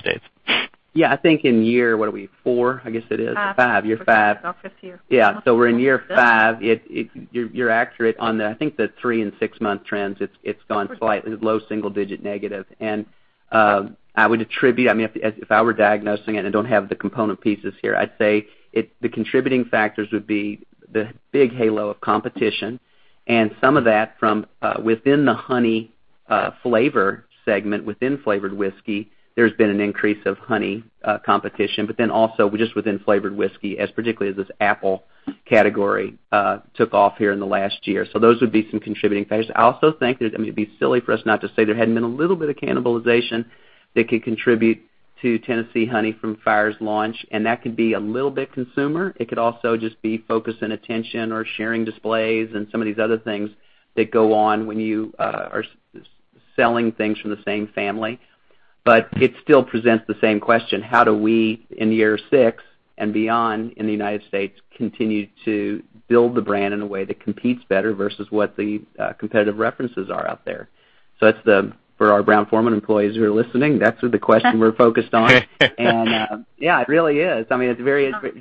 I think in year, what are we, four, I guess it is? Five. Year five. About fifth year. We're in year five. You're accurate on the, I think, the three and six-month trends. It's gone slightly low single-digit negative. I would attribute, if I were diagnosing it, I don't have the component pieces here, I'd say the contributing factors would be the big halo of competition and some of that from within the honey-flavor segment, within flavored whiskey, there's been an increase of honey competition, then also just within flavored whiskey, as particularly as this apple category took off here in the last year. Those would be some contributing factors. I also think that it'd be silly for us not to say there hadn't been a little bit of cannibalization that could contribute to Tennessee Honey from Fire's launch, and that could be a little bit consumer. It could also just be focus and attention or sharing displays and some of these other things that go on when you are selling things from the same family. It still presents the same question: how do we, in year six and beyond in the U.S., continue to build the brand in a way that competes better versus what the competitive references are out there? For our Brown-Forman employees who are listening, that's the question we're focused on. Yeah, it really is. It's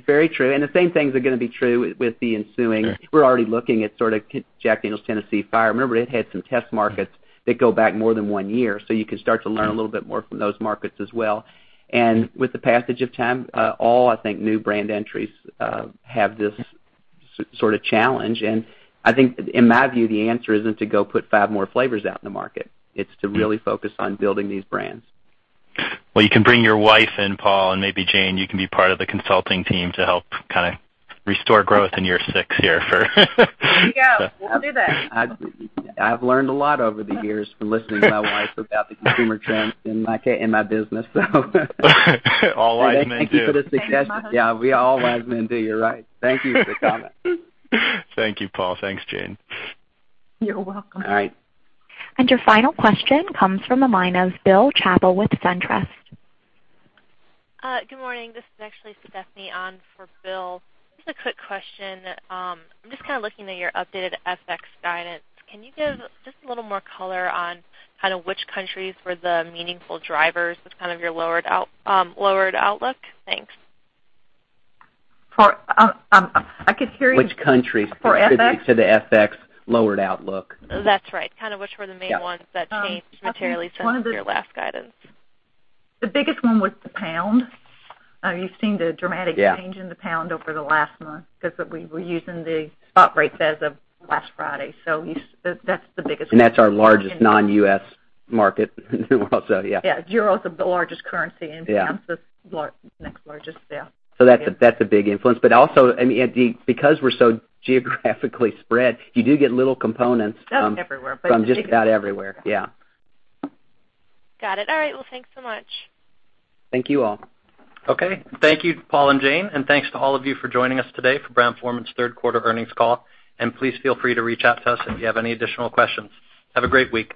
very true. The same things are going to be true with the ensuing. We're already looking at sort of Jack Daniel's Tennessee Fire. Remember, it had some test markets that go back more than one year, you can start to learn a little bit more from those markets as well. With the passage of time, all, I think, new brand entries have this sort of challenge. I think, in my view, the answer isn't to go put five more flavors out in the market. It's to really focus on building these brands. You can bring your wife in, Paul, and maybe Jane, you can be part of the consulting team to help restore growth in year six here. There you go. We'll do that. I've learned a lot over the years from listening to my wife about the consumer trends in my business. All wise men do. Thank you for the suggestion. You're welcome, husband. Yeah, we all wise men do, you're right. Thank you for the comment. Thank you, Paul. Thanks, Jane. You're welcome. All right. Your final question comes from the line of Bill Chappell with SunTrust. Good morning. This is actually Stephanie on for Bill. Just a quick question. I'm just kind of looking at your updated FX guidance. Can you give just a little more color on kind of which countries were the meaningful drivers of kind of your lowered outlook? Thanks. I could hear you. Which countries? For FX? Contributed to the FX lowered outlook. That's right. Kind of which were the main ones that changed materially since your last guidance? The biggest one was the pound. You've seen the dramatic. Yeah change in the pound over the last month, because we're using the spot rates as of last Friday. That's the biggest one. That's our largest non-U.S. market also, yeah. Yeah. Euro's the largest currency. Yeah Pound's the next largest, yeah. That's a big influence, but also, because we're so geographically spread, you do get little components- From everywhere from just about everywhere, yeah. Got it. All right, well, thanks so much. Thank you all. Okay. Thank you, Paul and Jane, and thanks to all of you for joining us today for Brown-Forman's third quarter earnings call. Please feel free to reach out to us if you have any additional questions. Have a great week.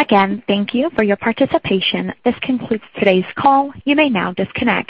Again, thank you for your participation. This concludes today's call. You may now disconnect.